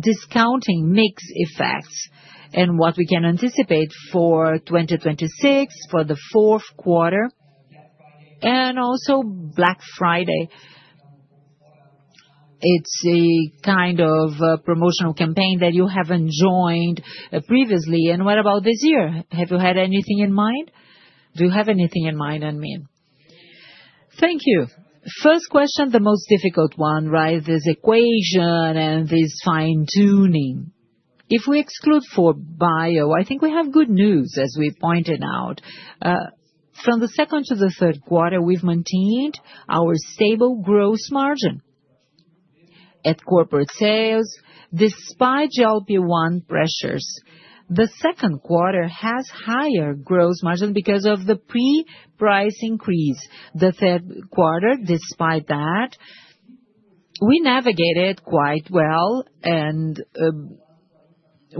discounting mix effects, and what we can anticipate for 2026, for the fourth quarter, and also Black Friday. It's a kind of promotional campaign that you haven't joined previously. And what about this year? Have you had anything in mind? Do you have anything in mind on mix? Thank you. First question, the most difficult one, right? This equation and this fine-tuning. If we exclude 4Bio, I think we have good news, as we pointed out. From the second to the third quarter, we've maintained our stable gross margin at corporate sales, despite GLP-1 pressures. The second quarter has higher gross margin because of the pre-price increase. The third quarter, despite that, we navigated quite well, and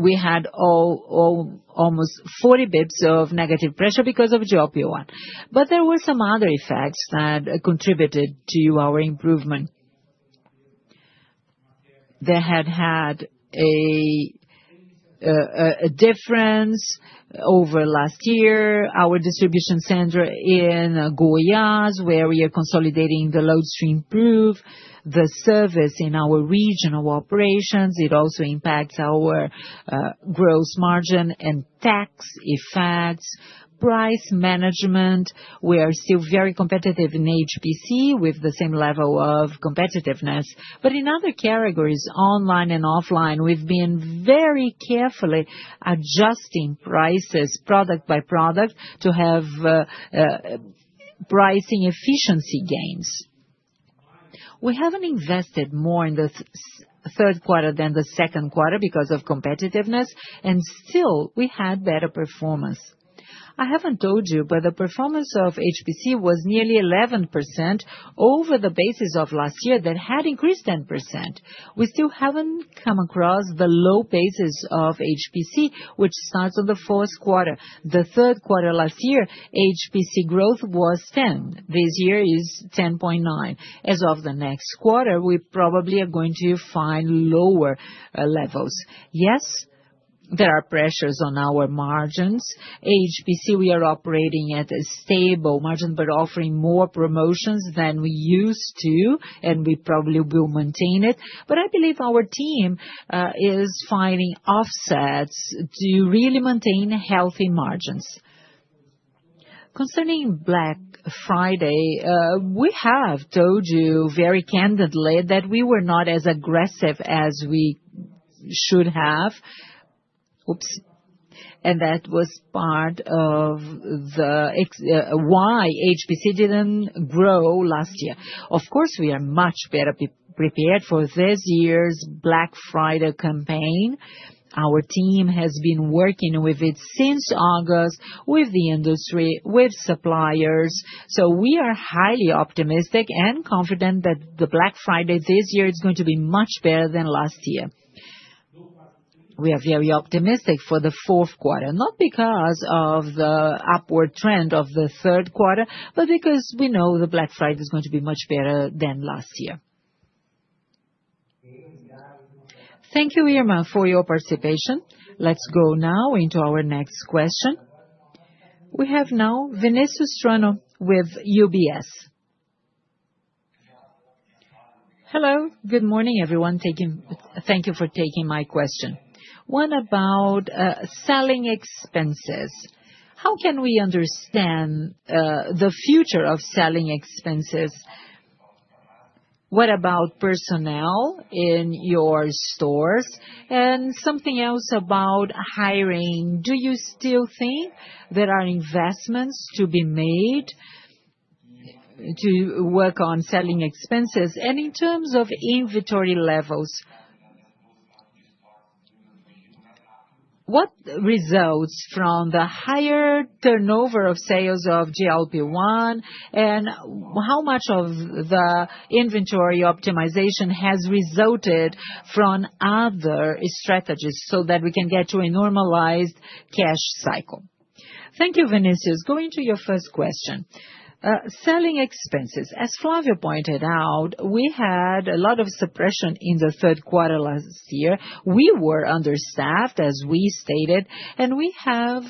we had almost 40 basis points of negative pressure because of GLP-1. But there were some other effects that contributed to our improvement. They had had a difference over last year. Our distribution center in Goiás, where we are consolidating the Long Tail products, the service in our regional operations, it also impacts our gross margin and tax effects, price management. We are still very competitive in HPC with the same level of competitiveness. But in other categories, online and offline, we've been very carefully adjusting prices product by product to have pricing efficiency gains. We haven't invested more in the third quarter than the second quarter because of competitiveness, and still we had better performance. I haven't told you, but the performance of HPC was nearly 11% over the basis of last year that had increased 10%. We still haven't come across the low basis of HPC, which starts on the fourth quarter. The third quarter last year, HPC growth was 10%. This year is 10.9%. As of the next quarter, we probably are going to find lower levels. Yes, there are pressures on our margins. HPC, we are operating at a stable margin, but offering more promotions than we used to, and we probably will maintain it. But I believe our team is finding offsets to really maintain healthy margins. Concerning Black Friday, we have told you very candidly that we were not as aggressive as we should have. Oops. And that was part of why HPC didn't grow last year. Of course, we are much better prepared for this year's Black Friday campaign. Our team has been working with it since August, with the industry, with suppliers. So we are highly optimistic and confident that the Black Friday this year is going to be much better than last year. We are very optimistic for the fourth quarter, not because of the upward trend of the third quarter, but because we know the Black Friday is going to be much better than last year. Thank you, Irma, for your participation. Let's go now into our next question. We have now Vinicius Strano with UBS. Hello, good morning, everyone. Thank you for taking my question. One about selling expenses. How can we understand the future of selling expenses? What about personnel in your stores? And something else about hiring. Do you still think there are investments to be made to work on selling expenses? And in terms of inventory levels, what results from the higher turnover of sales of GLP-1, and how much of the inventory optimization has resulted from other strategies so that we can get to a normalized cash cycle? Thank you, Eugenio. Going to your first question. Selling expenses. As Flavio pointed out, we had a lot of suppression in the third quarter last year. We were understaffed, as we stated, and we have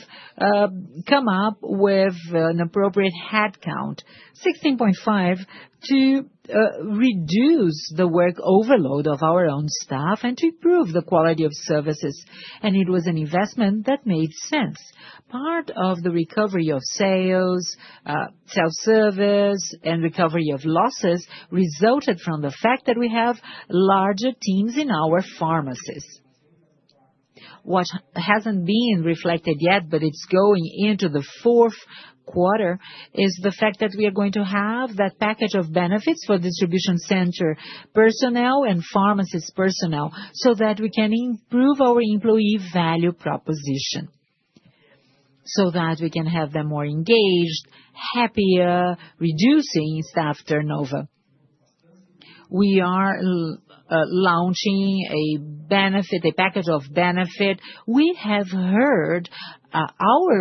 come up with an appropriate headcount, 16.5, to reduce the work overload of our own staff and to improve the quality of services. It was an investment that made sense. Part of the recovery of sales, self-service, and recovery of losses resulted from the fact that we have larger teams in our pharmacies. What hasn't been reflected yet, but it's going into the fourth quarter, is the fact that we are going to have that package of benefits for distribution center personnel and pharmacist personnel so that we can improve our employee value proposition, so that we can have them more engaged, happier, reducing staff turnover. We are launching a package of benefits. We have heard our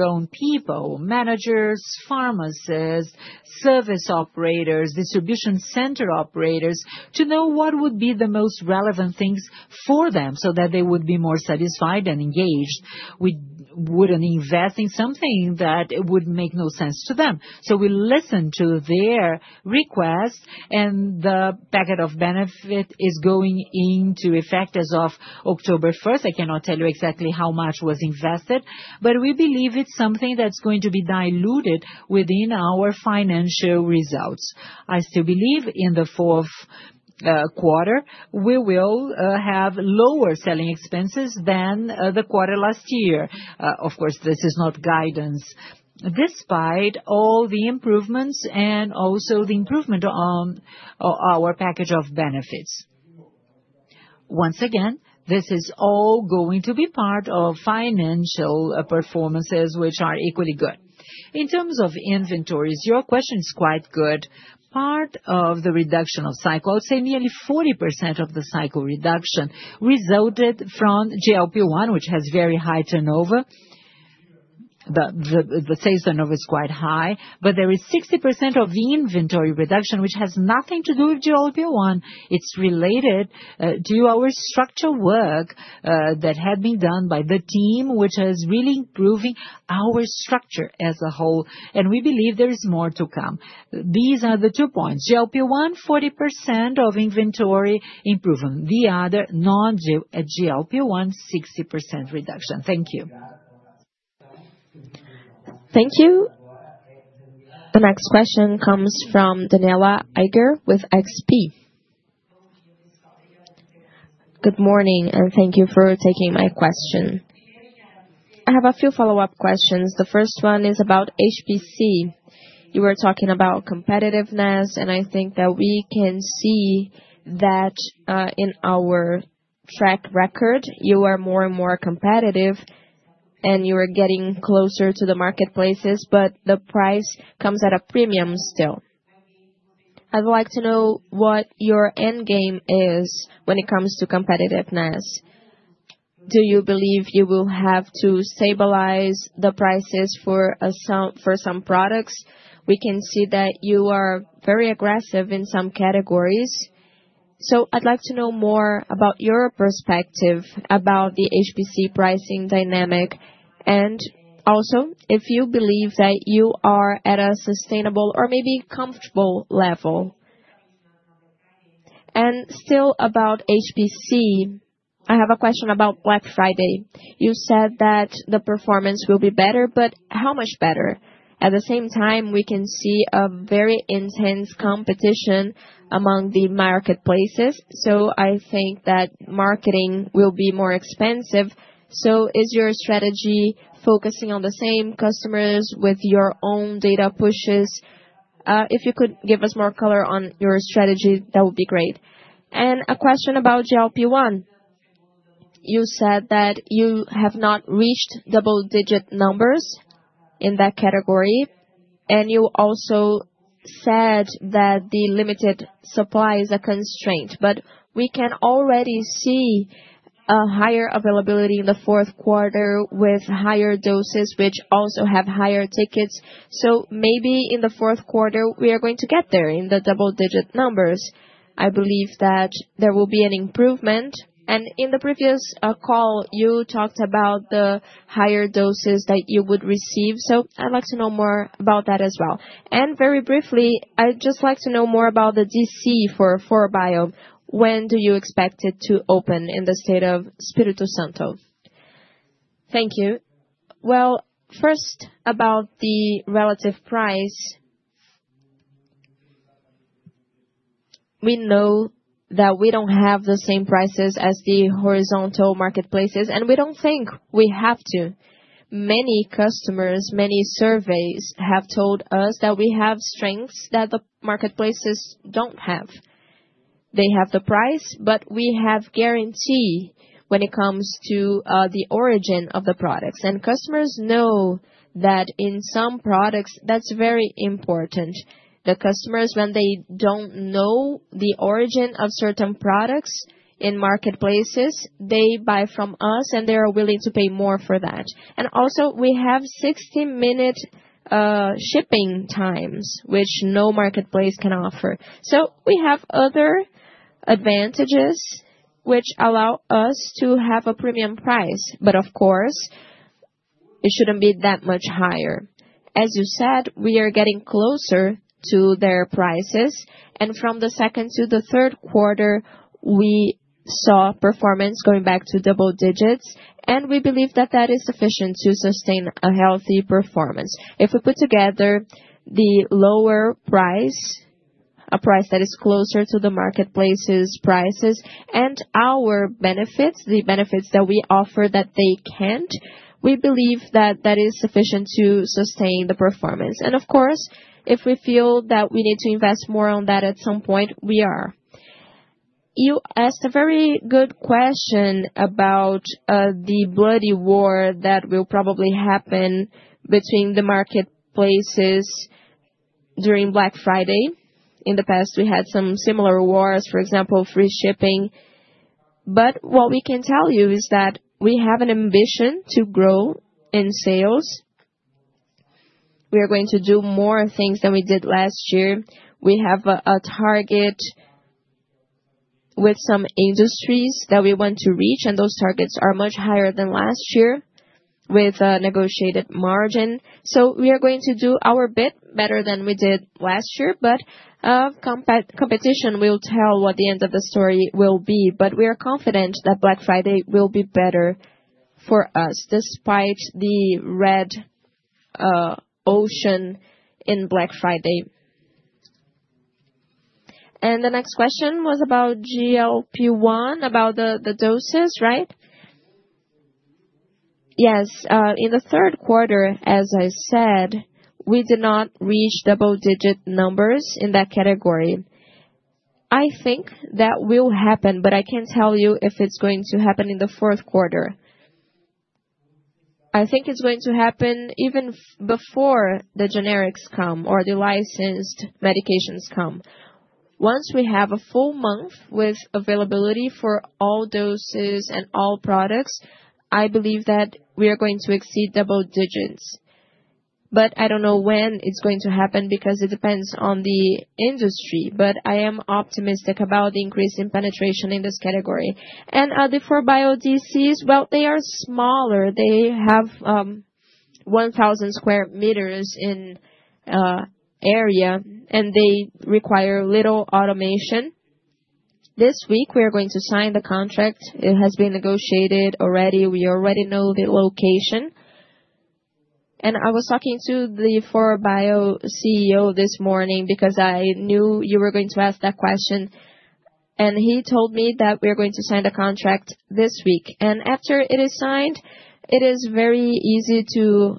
own people, managers, pharmacies, service operators, distribution center operators, to know what would be the most relevant things for them so that they would be more satisfied and engaged. We wouldn't invest in something that would make no sense to them. So we listen to their request, and the package of benefits is going into effect as of October 1st. I cannot tell you exactly how much was invested, but we believe it's something that's going to be diluted within our financial results. I still believe in the fourth quarter, we will have lower selling expenses than the quarter last year. Of course, this is not guidance, despite all the improvements and also the improvement on our package of benefits. Once again, this is all going to be part of financial performances, which are equally good. In terms of inventories, your question is quite good. Part of the reduction of cycles, say nearly 40% of the cycle reduction, resulted from GLP-1, which has very high turnover. The sales turnover is quite high, but there is 60% of the inventory reduction, which has nothing to do with GLP-1. It's related to our structure work that had been done by the team, which is really improving our structure as a whole. And we believe there is more to come. These are the two points. GLP-1, 40% of inventory improvement. The other, non-GLP-1, 60% reduction. Thank you. Thank you. The next question comes from Daniela Eiger with XP. Good morning, and thank you for taking my question. I have a few follow-up questions. The first one is about HPC. You were talking about competitiveness, and I think that we can see that in our track record. You are more and more competitive, and you are getting closer to the marketplaces, but the price comes at a premium still. I'd like to know what your end game is when it comes to competitiveness. Do you believe you will have to stabilize the prices for some products? We can see that you are very aggressive in some categories, so I'd like to know more about your perspective about the HPC pricing dynamic, and also if you believe that you are at a sustainable or maybe comfortable level, and still about HPC, I have a question about Black Friday. You said that the performance will be better, but how much better? At the same time, we can see a very intense competition among the marketplaces, so I think that marketing will be more expensive, so is your strategy focusing on the same customers with your own data pushes? If you could give us more color on your strategy, that would be great, and a question about GLP-1. You said that you have not reached double-digit numbers in that category, and you also said that the limited supply is a constraint. But we can already see a higher availability in the fourth quarter with higher doses, which also have higher tickets. So maybe in the fourth quarter, we are going to get there in the double-digit numbers. I believe that there will be an improvement. And in the previous call, you talked about the higher doses that you would receive. So I'd like to know more about that as well. And very briefly, I'd just like to know more about the DC for 4Bio. When do you expect it to open in the state of Espírito Santo? Thank you. Well, first about the relative price. We know that we don't have the same prices as the horizontal marketplaces, and we don't think we have to. Many customers, many surveys have told us that we have strengths that the marketplaces don't have. They have the price, but we have guarantee when it comes to the origin of the products, and customers know that in some products, that's very important. The customers, when they don't know the origin of certain products in marketplaces, they buy from us, and they are willing to pay more for that, and also, we have 60-minute shipping times, which no marketplace can offer, so we have other advantages, which allow us to have a premium price, but of course, it shouldn't be that much higher. As you said, we are getting closer to their prices, and from the second to the third quarter, we saw performance going back to double digits, and we believe that that is sufficient to sustain a healthy performance. If we put together the lower price, a price that is closer to the marketplace's prices, and our benefits, the benefits that we offer that they can't, we believe that that is sufficient to sustain the performance. And of course, if we feel that we need to invest more on that at some point, we are. You asked a very good question about the bloody war that will probably happen between the marketplaces during Black Friday. In the past, we had some similar wars, for example, free shipping. But what we can tell you is that we have an ambition to grow in sales. We are going to do more things than we did last year. We have a target with some industries that we want to reach, and those targets are much higher than last year with a negotiated margin. We are going to do our bit better than we did last year, but competition will tell what the end of the story will be. We are confident that Black Friday will be better for us despite the red ocean in Black Friday. The next question was about GLP-1, about the doses, right? Yes. In the third quarter, as I said, we did not reach double-digit numbers in that category. I think that will happen, but I can't tell you if it's going to happen in the fourth quarter. I think it's going to happen even before the generics come or the licensed medications come. Once we have a full month with availability for all doses and all products, I believe that we are going to exceed double digits. I don't know when it's going to happen because it depends on the industry, but I am optimistic about the increase in penetration in this category. The 4Bio DCs, well, they are smaller. They have 1,000 square meters in area, and they require little automation. This week, we are going to sign the contract. It has been negotiated already. We already know the location. I was talking to the 4Bio CEO this morning because I knew you were going to ask that question, and he told me that we are going to sign the contract this week. After it is signed, it is very easy to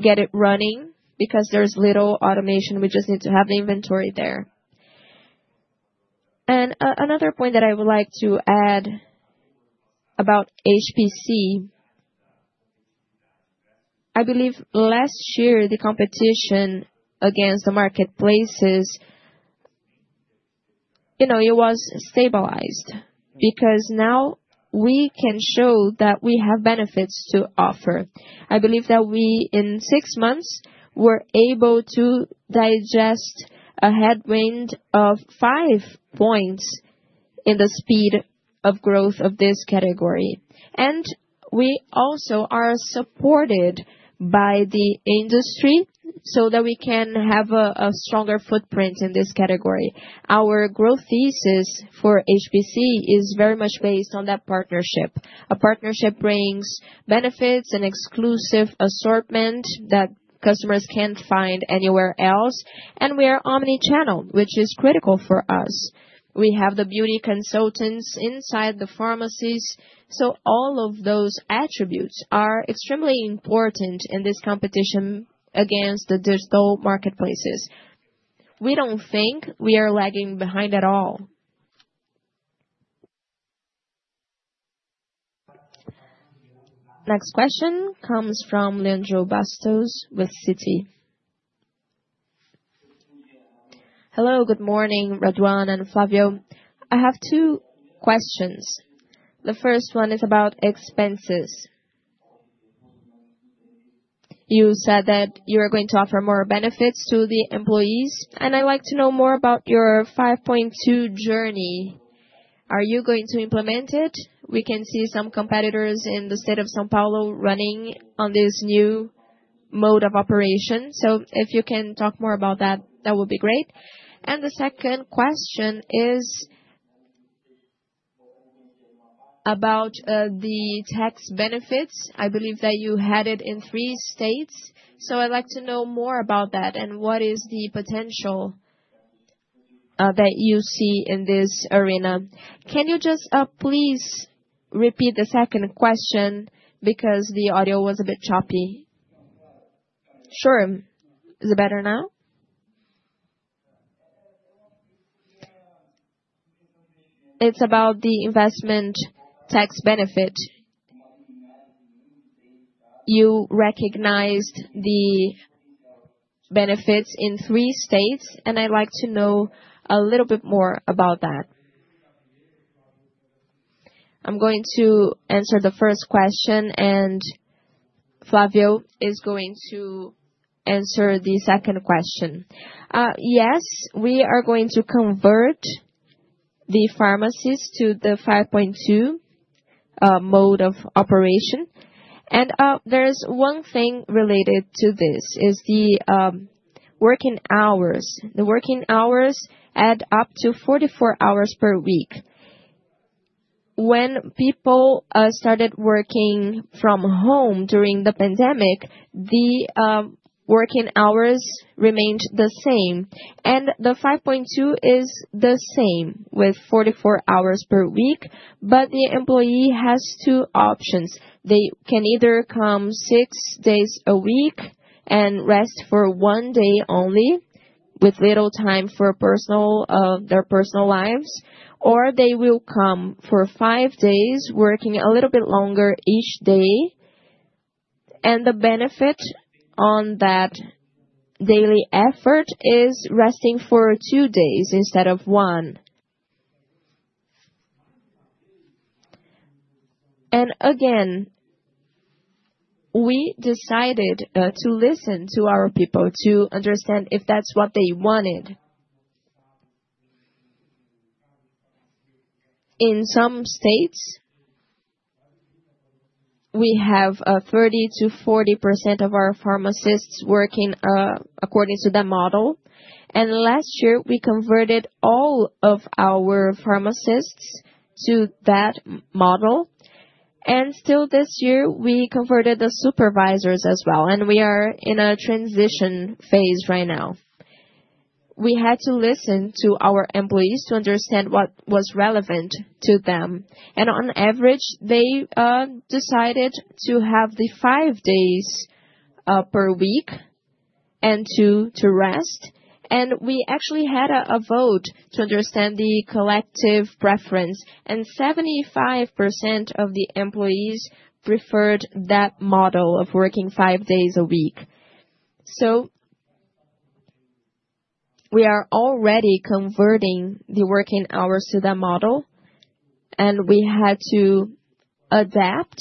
get it running because there's little automation. We just need to have the inventory there. And another point that I would like to add about HPC. I believe last year, the competition against the marketplaces, it was stabilized because now we can show that we have benefits to offer. I believe that we, in six months, were able to digest a headwind of five points in the speed of growth of this category. And we also are supported by the industry so that we can have a stronger footprint in this category. Our growth thesis for HPC is very much based on that partnership. A partnership brings benefits and exclusive assortment that customers can't find anywhere else. And we are omnichannel, which is critical for us. We have the beauty consultants inside the pharmacies. So all of those attributes are extremely important in this competition against the digital marketplaces. We don't think we are lagging behind at all. Next question comes from Leandro Bastos with Citi. Hello, good morning, Raduan and Flavio. I have two questions. The first one is about expenses. You said that you are going to offer more benefits to the employees, and I'd like to know more about your 5x2 journey. Are you going to implement it? We can see some competitors in the state of São Paulo running on this new mode of operation. So if you can talk more about that, that would be great. And the second question is about the tax benefits. I believe that you had it in three states. So I'd like to know more about that and what is the potential that you see in this arena. Can you just please repeat the second question because the audio was a bit choppy? Sure. Is it better now? It's about the investment tax benefit. You recognized the benefits in three states, and I'd like to know a little bit more about that. I'm going to answer the first question, and Flavio is going to answer the second question. Yes, we are going to convert the pharmacies to the 5x2 mode of operation, and there's one thing related to this: the working hours. The working hours add up to 44 hours per week. When people started working from home during the pandemic, the working hours remained the same, and the 5x2 is the same with 44 hours per week, but the employee has two options. They can either come six days a week and rest for one day only with little time for their personal lives, or they will come for five days, working a little bit longer each day, and the benefit on that daily effort is resting for two days instead of one. And again, we decided to listen to our people to understand if that's what they wanted. In some states, we have 30%-40% of our pharmacists working according to the model. And last year, we converted all of our pharmacists to that model. And still this year, we converted the supervisors as well. And we are in a transition phase right now. We had to listen to our employees to understand what was relevant to them. And on average, they decided to have the five days per week and to rest. And we actually had a vote to understand the collective preference. And 75% of the employees preferred that model of working five days a week. We are already converting the working hours to that model, and we had to adapt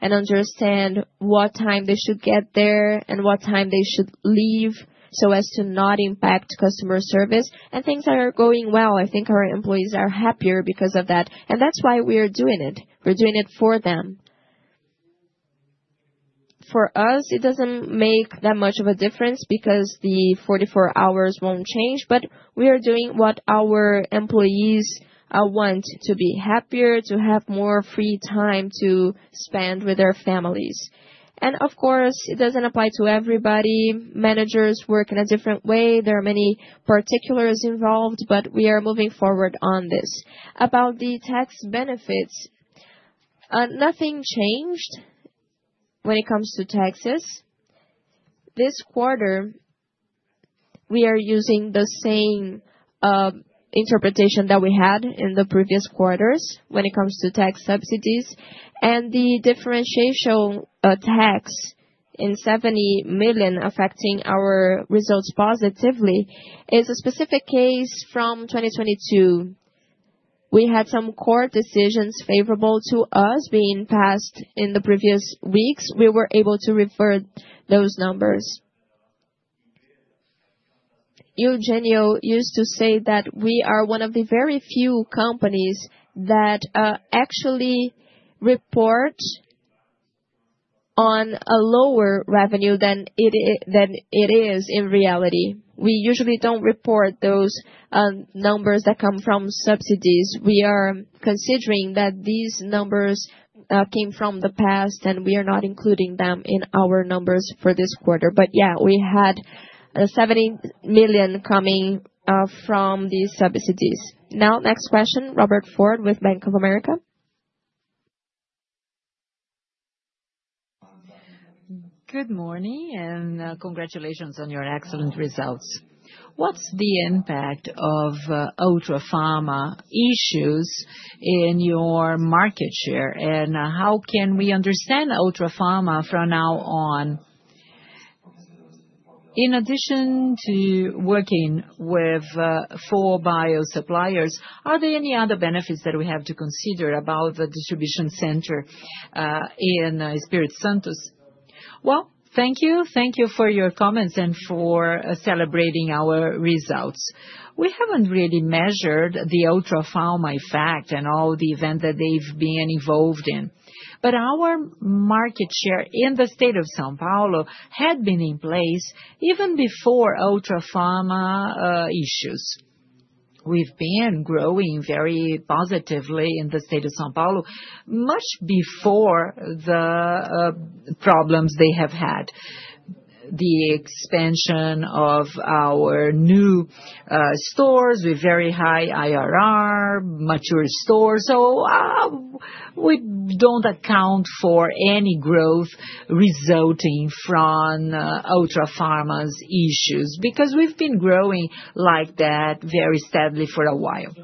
and understand what time they should get there and what time they should leave so as to not impact customer service. Things are going well. I think our employees are happier because of that. That's why we are doing it. We're doing it for them. For us, it doesn't make that much of a difference because the 44 hours won't change, but we are doing what our employees want: to be happier, to have more free time to spend with their families. Of course, it doesn't apply to everybody. Managers work in a different way. There are many particulars involved, but we are moving forward on this. About the tax benefits, nothing changed when it comes to taxes. This quarter, we are using the same interpretation that we had in the previous quarters when it comes to tax subsidies. The differential tax in 70 million affecting our results positively is a specific case from 2022. We had some court decisions favorable to us being passed in the previous weeks. We were able to revert those numbers. Eugenio used to say that we are one of the very few companies that actually report on a lower revenue than it is in reality. We usually don't report those numbers that come from subsidies. We are considering that these numbers came from the past, and we are not including them in our numbers for this quarter. Yeah, we had 70 million coming from these subsidies. Now, next question, Robert Ford with Bank of America. Good morning and congratulations on your excellent results. What's the impact of Ultrafarma issues in your market share? And how can we understand Ultrafarma from now on? In addition to working with 4Bio suppliers, are there any other benefits that we have to consider about the distribution center in Espírito Santo? Thank you. Thank you for your comments and for celebrating our results. We haven't really measured the Ultrafarma effect and all the events that they've been involved in. But our market share in the state of São Paulo had been in place even before Ultrafarma issues. We've been growing very positively in the state of São Paulo much before the problems they have had: the expansion of our new stores with very high IRR, mature stores. So we don't account for any growth resulting from Ultrafarma's issues because we've been growing like that very steadily for a while.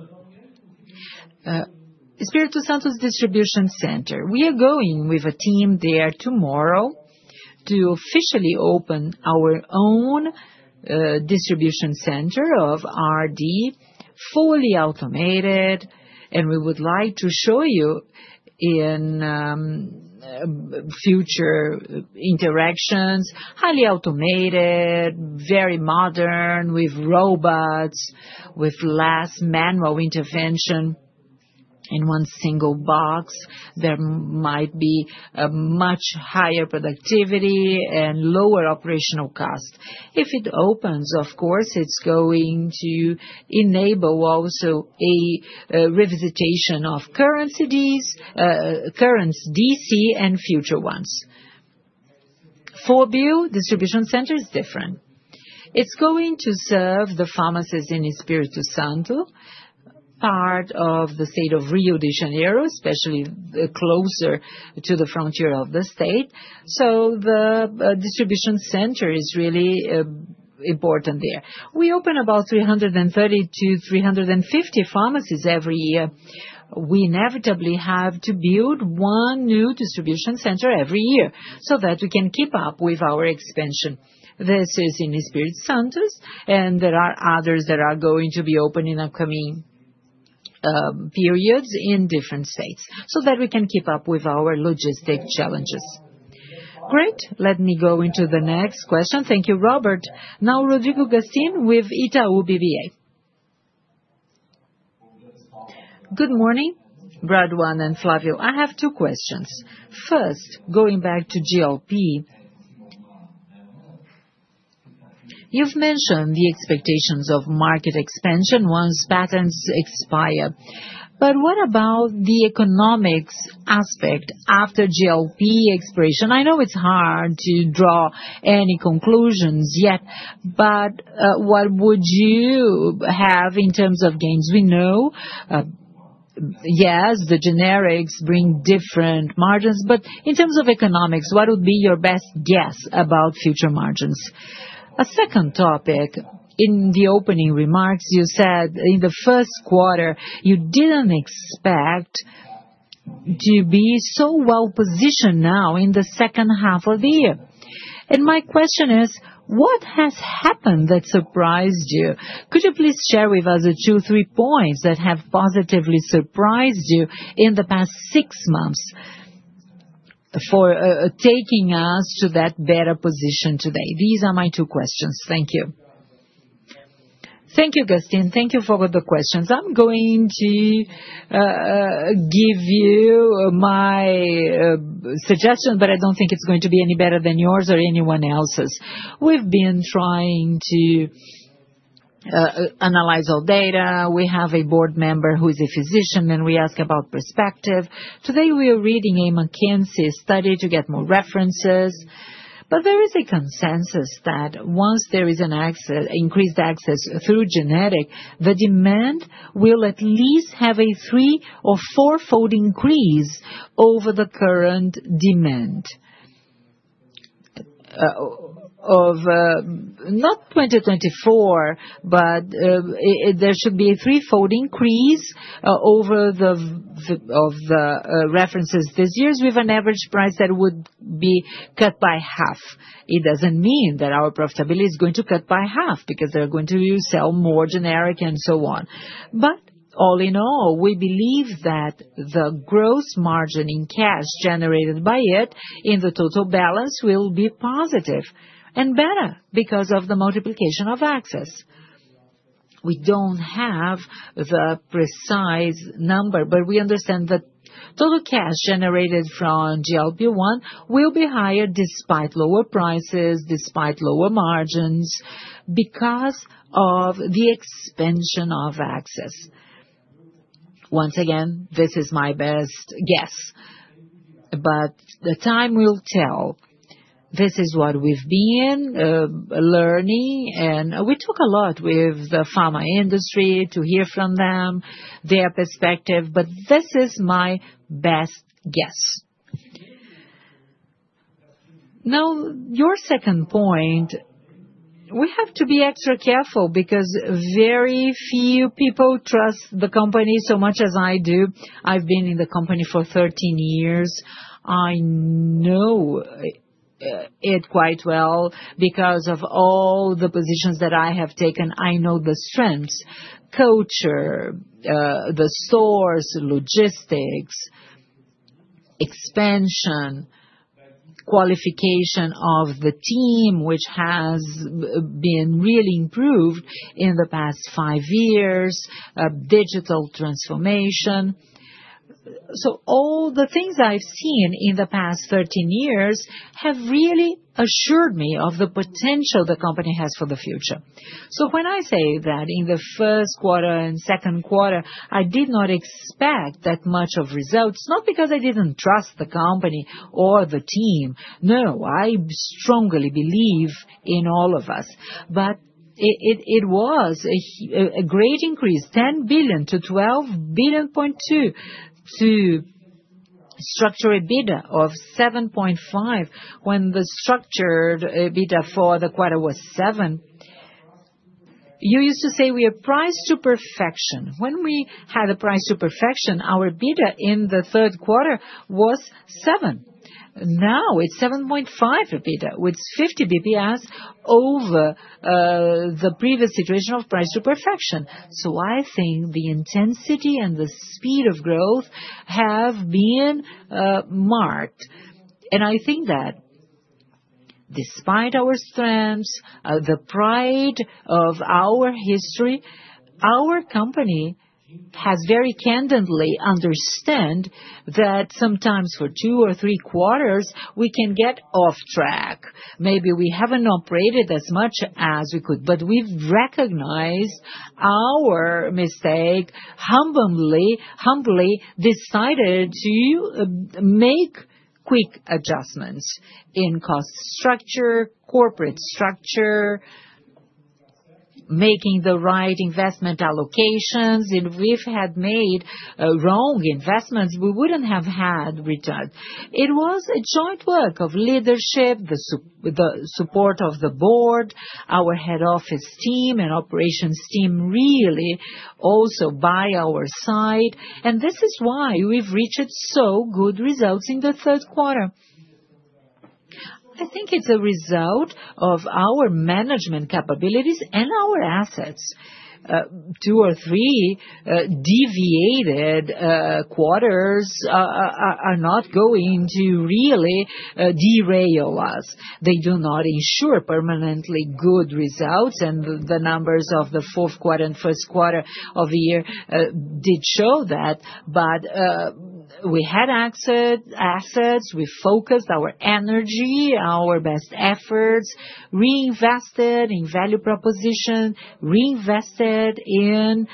Espírito Santo distribution center, we are going with a team there tomorrow to officially open our own distribution center of RD, fully automated, and we would like to show you in future interactions, highly automated, very modern, with robots, with less manual intervention in one single box. There might be a much higher productivity and lower operational cost. If it opens, of course, it's going to enable also a revisitation of current DC and future ones. 4Bio distribution center is different. It's going to serve the pharmacies in Espírito Santo, part of the state of Rio de Janeiro, especially closer to the frontier of the state. So the distribution center is really important there. We open about 330-350 pharmacies every year. We inevitably have to build one new distribution center every year so that we can keep up with our expansion. This is in Espírito Santo, and there are others that are going to be open in upcoming periods in different states so that we can keep up with our logistics challenges. Great. Let me go into the next question. Thank you, Robert. Now, Rodrigo Gastim with Itaú BBA. Good morning, Raduan and Flavio. I have two questions. First, going back to GLP, you've mentioned the expectations of market expansion once patents expire. But what about the economics aspect after GLP expiration? I know it's hard to draw any conclusions yet, but what would you have in terms of gains? We know, yes, the generics bring different margins, but in terms of economics, what would be your best guess about future margins? A second topic, in the opening remarks, you said in the first quarter, you didn't expect to be so well-positioned now in the second half of the year. My question is, what has happened that surprised you? Could you please share with us the two or three points that have positively surprised you in the past six months for taking us to that better position today? These are my two questions. Thank you. Thank you, Gastin. Thank you for the questions. I'm going to give you my suggestion, but I don't think it's going to be any better than yours or anyone else's. We've been trying to analyze all data. We have a board member who is a physician, and we ask about perspective. Today, we are reading a McKinsey study to get more references. But there is a consensus that once there is an increased access through generics, the demand will at least have a three- or four-fold increase over the current demand. Not 2024, but there should be a three-fold increase over the references this year. We have an average price that would be cut by half. It doesn't mean that our profitability is going to cut by half because they're going to sell more generic and so on. But all in all, we believe that the gross margin in cash generated by it in the total balance will be positive and better because of the multiplication of access. We don't have the precise number, but we understand that total cash generated from GLP-1 will be higher despite lower prices, despite lower margins because of the expansion of access. Once again, this is my best guess, but the time will tell. This is what we've been learning, and we talk a lot with the pharma industry to hear from them, their perspective, but this is my best guess. Now, your second point, we have to be extra careful because very few people trust the company so much as I do. I've been in the company for 13 years. I know it quite well because of all the positions that I have taken. I know the strengths, culture, the stores, logistics, expansion, qualification of the team, which has been really improved in the past five years, digital transformation. So all the things I've seen in the past 13 years have really assured me of the potential the company has for the future. So when I say that in the first quarter and second quarter, I did not expect that much of results, not because I didn't trust the company or the team. No, I strongly believe in all of us. But it was a great increase, 10 billion to 12.2 billion to structural EBITDA of 7.5 when the structured EBITDA for the quarter was 7. You used to say we are priced to perfection. When we had a price to perfection, our EBITDA in the third quarter was 7. Now it's 7.5 EBITDA, which is 50 basis points over the previous situation of price to perfection. So I think the intensity and the speed of growth have been marked. And I think that despite our strengths, the pride of our history, our company has very candidly understood that sometimes for two or three quarters, we can get off track. Maybe we haven't operated as much as we could, but we've recognized our mistake, humbly decided to make quick adjustments in cost structure, corporate structure, making the right investment allocations. If we've had made wrong investments, we wouldn't have had returns. It was a joint work of leadership, the support of the board, our head office team, and operations team really also by our side. And this is why we've reached so good results in the third quarter. I think it's a result of our management capabilities and our assets. Two or three deviated quarters are not going to really derail us. They do not ensure permanently good results, and the numbers of the fourth quarter and first quarter of the year did show that. But we had access, assets, we focused our energy, our best efforts, reinvested in value proposition, reinvested in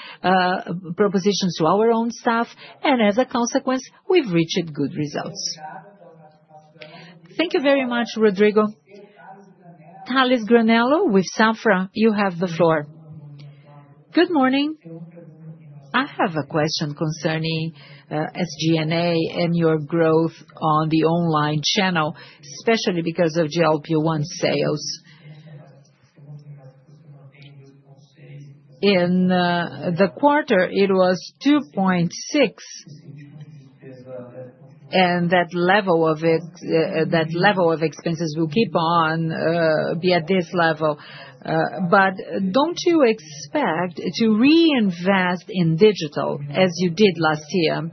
propositions to our own staff, and as a consequence, we've reached good results. Thank you very much, Rodrigo. Tales Granello, with Safra, you have the floor. Good morning. I have a question concerning SG&A and your growth on the online channel, especially because of GLP-1 sales. In the quarter, it was 2.6, and that level of expenses will keep on being at this level. But don't you expect to reinvest in digital as you did last year?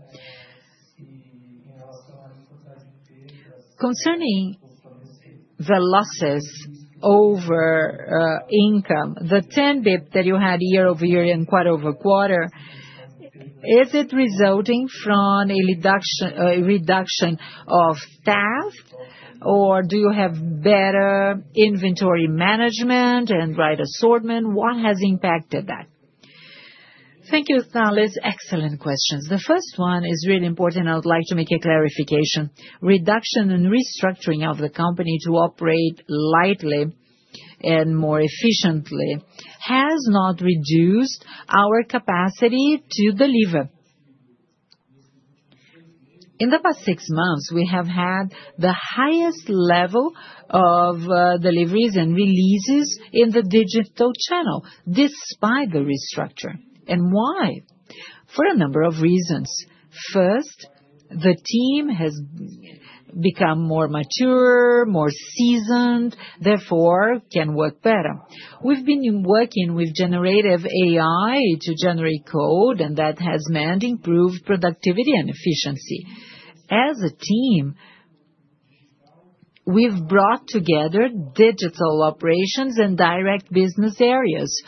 Concerning the losses over income, the 10 bps that you had year over year and quarter over quarter, is it resulting from a reduction of staff, or do you have better inventory management and right assortment? What has impacted that? Thank you, Tales. Excellent questions. The first one is really important, and I would like to make a clarification. Reduction and restructuring of the company to operate lightly and more efficiently has not reduced our capacity to deliver. In the past six months, we have had the highest level of deliveries and releases in the digital channel despite the restructure. Why? For a number of reasons. First, the team has become more mature, more seasoned, therefore can work better. We've been working with generative AI to generate code, and that has meant improved productivity and efficiency. As a team, we've brought together digital operations and direct business areas,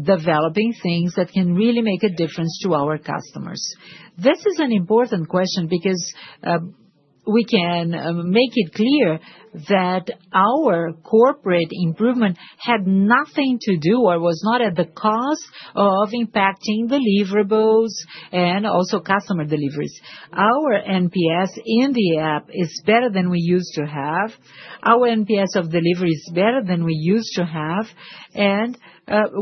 developing things that can really make a difference to our customers. This is an important question because we can make it clear that our corporate improvement had nothing to do or was not at the cost of impacting deliverables and also customer deliveries. Our NPS in the app is better than we used to have. Our NPS of delivery is better than we used to have, and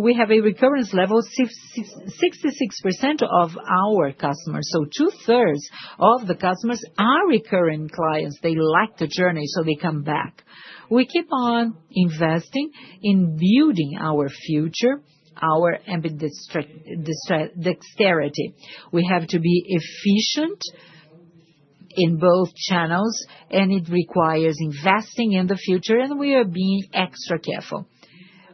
we have a recurrence level of 66% of our customers. Two-thirds of the customers are recurring clients. They like the journey, so they come back. We keep on investing in building our future, our dexterity. We have to be efficient in both channels, and it requires investing in the future, and we are being extra careful.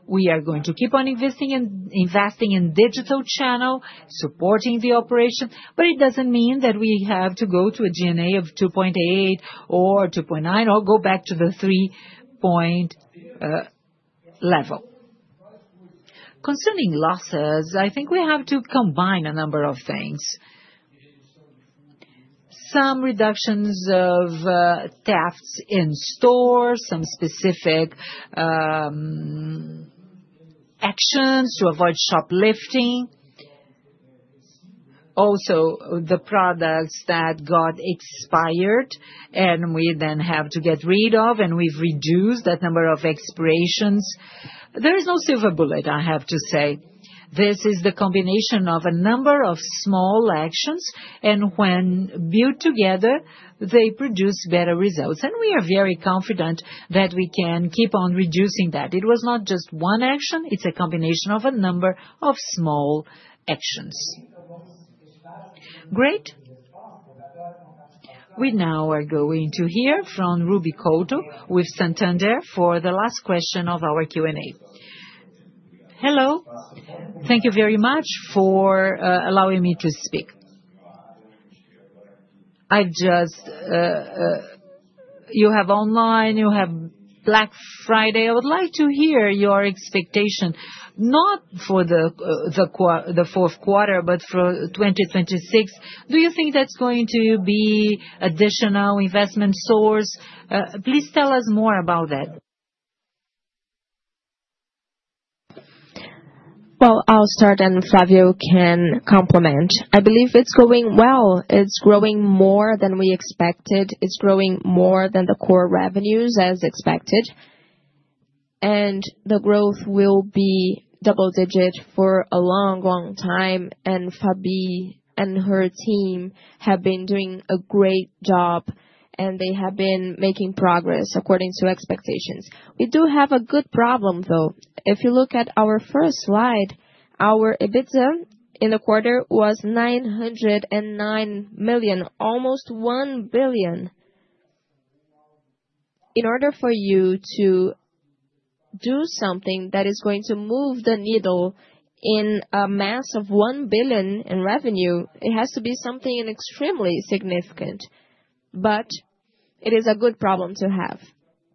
We are going to keep on investing in digital channel, supporting the operation, but it doesn't mean that we have to go to a G&A of 2.8 or 2.9 or go back to the 3-point level. Concerning losses, I think we have to combine a number of things. Some reductions of thefts in stores, some specific actions to avoid shoplifting. Also, the products that got expired and we then have to get rid of, and we've reduced that number of expirations. There is no silver bullet, I have to say. This is the combination of a number of small actions, and when built together, they produce better results. We are very confident that we can keep on reducing that. It was not just one action. It's a combination of a number of small actions. Great. We now are going to hear from Ruben Couto with Santander for the last question of our Q&A. Hello. Thank you very much for allowing me to speak. You have online, you have Black Friday. I would like to hear your expectation, not for the fourth quarter, but for 2026. Do you think that's going to be an additional investment source? Please tell us more about that. I'll start, and Flavio can complement. I believe it's going well. It's growing more than we expected. It's growing more than the core revenues as expected. And the growth will be double-digit for a long, long time. Fabi and her team have been doing a great job, and they have been making progress according to expectations. We do have a good problem, though. If you look at our first slide, our EBITDA in the quarter was 909 million, almost 1 billion. In order for you to do something that is going to move the needle in a mass of 1 billion in revenue, it has to be something extremely significant. But it is a good problem to have.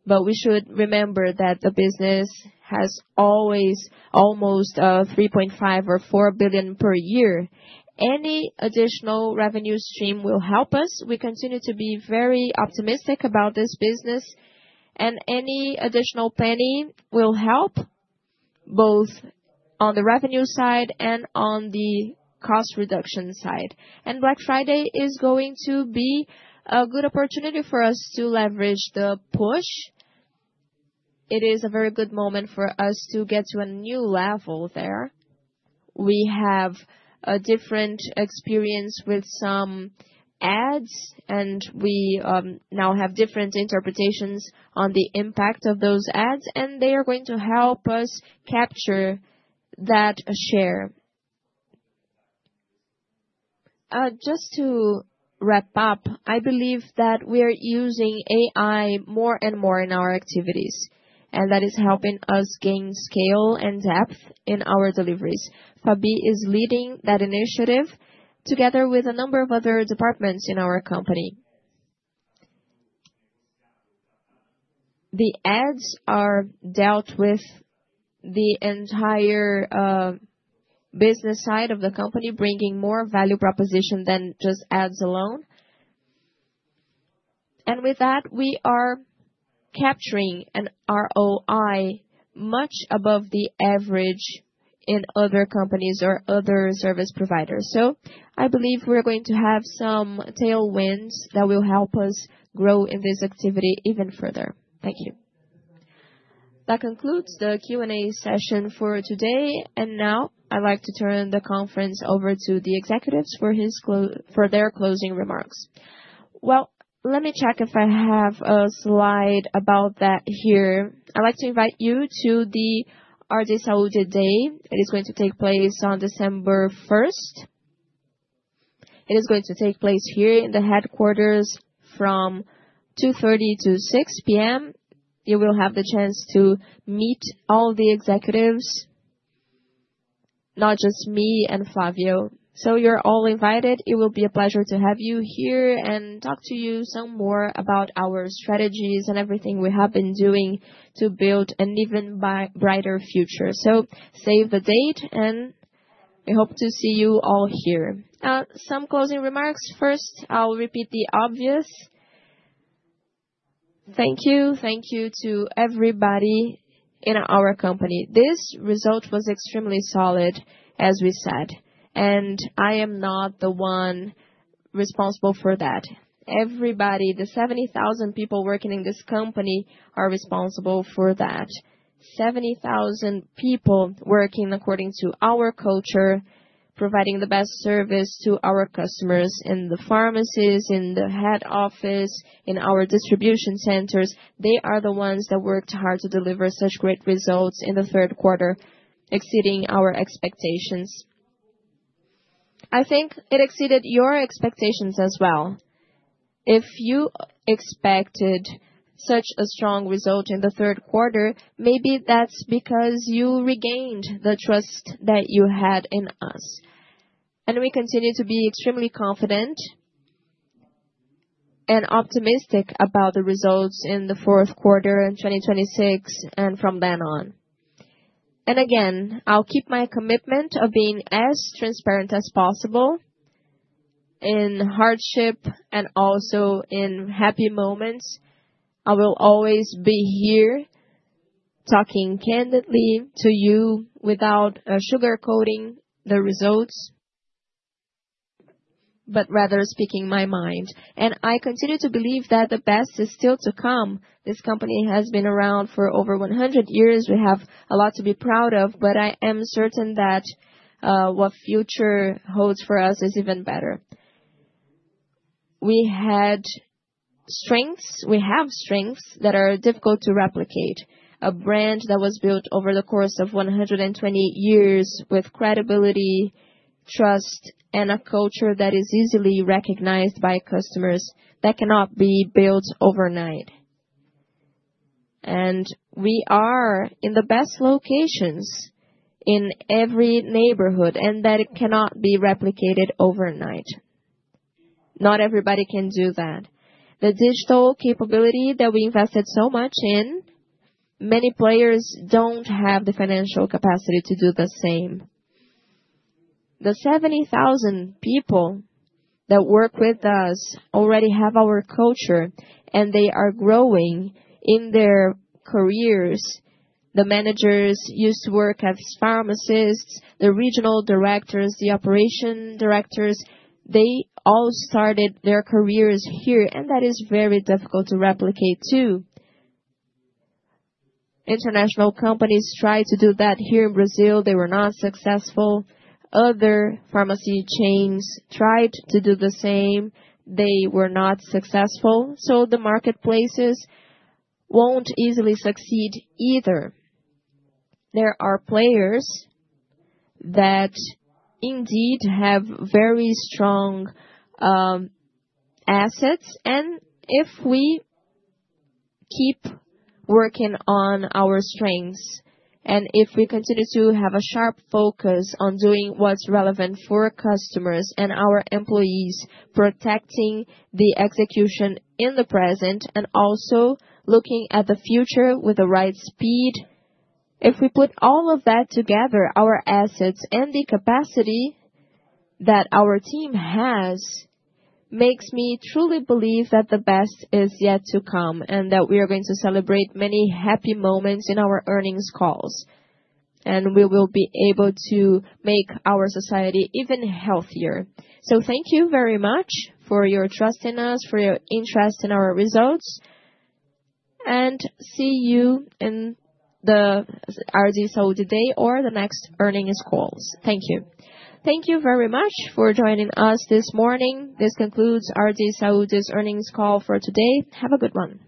But we should remember that the business has always almost 3.5 billion or 4 billion per year. Any additional revenue stream will help us. We continue to be very optimistic about this business, and any additional penny will help both on the revenue side and on the cost reduction side. And Black Friday is going to be a good opportunity for us to leverage the push. It is a very good moment for us to get to a new level there. We have a different experience with some ads, and we now have different interpretations on the impact of those ads, and they are going to help us capture that share. Just to wrap up, I believe that we are using AI more and more in our activities, and that is helping us gain scale and depth in our deliveries. Fabi is leading that initiative together with a number of other departments in our company. The ads are dealt with the entire business side of the company, bringing more value proposition than just ads alone, and with that, we are capturing an ROI much above the average in other companies or other service providers, so I believe we're going to have some tailwinds that will help us grow in this activity even further. Thank you. That concludes the Q&A session for today. And now I'd like to turn the conference over to the executives for their closing remarks. Well, let me check if I have a slide about that here. I'd like to invite you to the RD Saúde Day. It is going to take place on December 1st. It is going to take place here in the headquarters from 2:30 P.M. to 6:00 P.M. You will have the chance to meet all the executives, not just me and Flavio. So you're all invited. It will be a pleasure to have you here and talk to you some more about our strategies and everything we have been doing to build an even brighter future. So save the date, and we hope to see you all here. Some closing remarks. First, I'll repeat the obvious. Thank you. Thank you to everybody in our company. This result was extremely solid, as we said. And I am not the one responsible for that. Everybody, the 70,000 people working in this company are responsible for that. 70,000 people working according to our culture, providing the best service to our customers in the pharmacies, in the head office, in our distribution centers. They are the ones that worked hard to deliver such great results in the third quarter, exceeding our expectations. I think it exceeded your expectations as well. If you expected such a strong result in the third quarter, maybe that's because you regained the trust that you had in us. And we continue to be extremely confident and optimistic about the results in the fourth quarter in 2026 and from then on. And again, I'll keep my commitment of being as transparent as possible in hardship and also in happy moments. I will always be here talking candidly to you without sugarcoating the results, but rather speaking my mind. And I continue to believe that the best is still to come. This company has been around for over 100 years. We have a lot to be proud of, but I am certain that what future holds for us is even better. We had strengths. We have strengths that are difficult to replicate. A brand that was built over the course of 120 years with credibility, trust, and a culture that is easily recognized by customers that cannot be built overnight. And we are in the best locations in every neighborhood, and that cannot be replicated overnight. Not everybody can do that. The digital capability that we invested so much in, many players don't have the financial capacity to do the same. The 70,000 people that work with us already have our culture, and they are growing in their careers. The managers used to work as pharmacists, the regional directors, the operation directors, they all started their careers here, and that is very difficult to replicate too. International companies tried to do that here in Brazil. They were not successful. Other pharmacy chains tried to do the same. They were not successful. So the marketplaces won't easily succeed either. There are players that indeed have very strong assets, and if we keep working on our strengths, and if we continue to have a sharp focus on doing what's relevant for customers and our employees, protecting the execution in the present and also looking at the future with the right speed, if we put all of that together, our assets and the capacity that our team has, makes me truly believe that the best is yet to come and that we are going to celebrate many happy moments in our earnings calls, and we will be able to make our society even healthier. Thank you very much for your trust in us, for your interest in our results, and see you in the RD Saúde Day or the next earnings calls. Thank you. Thank you very much for joining us this morning. This concludes RD Saúde's earnings call for today. Have a good one.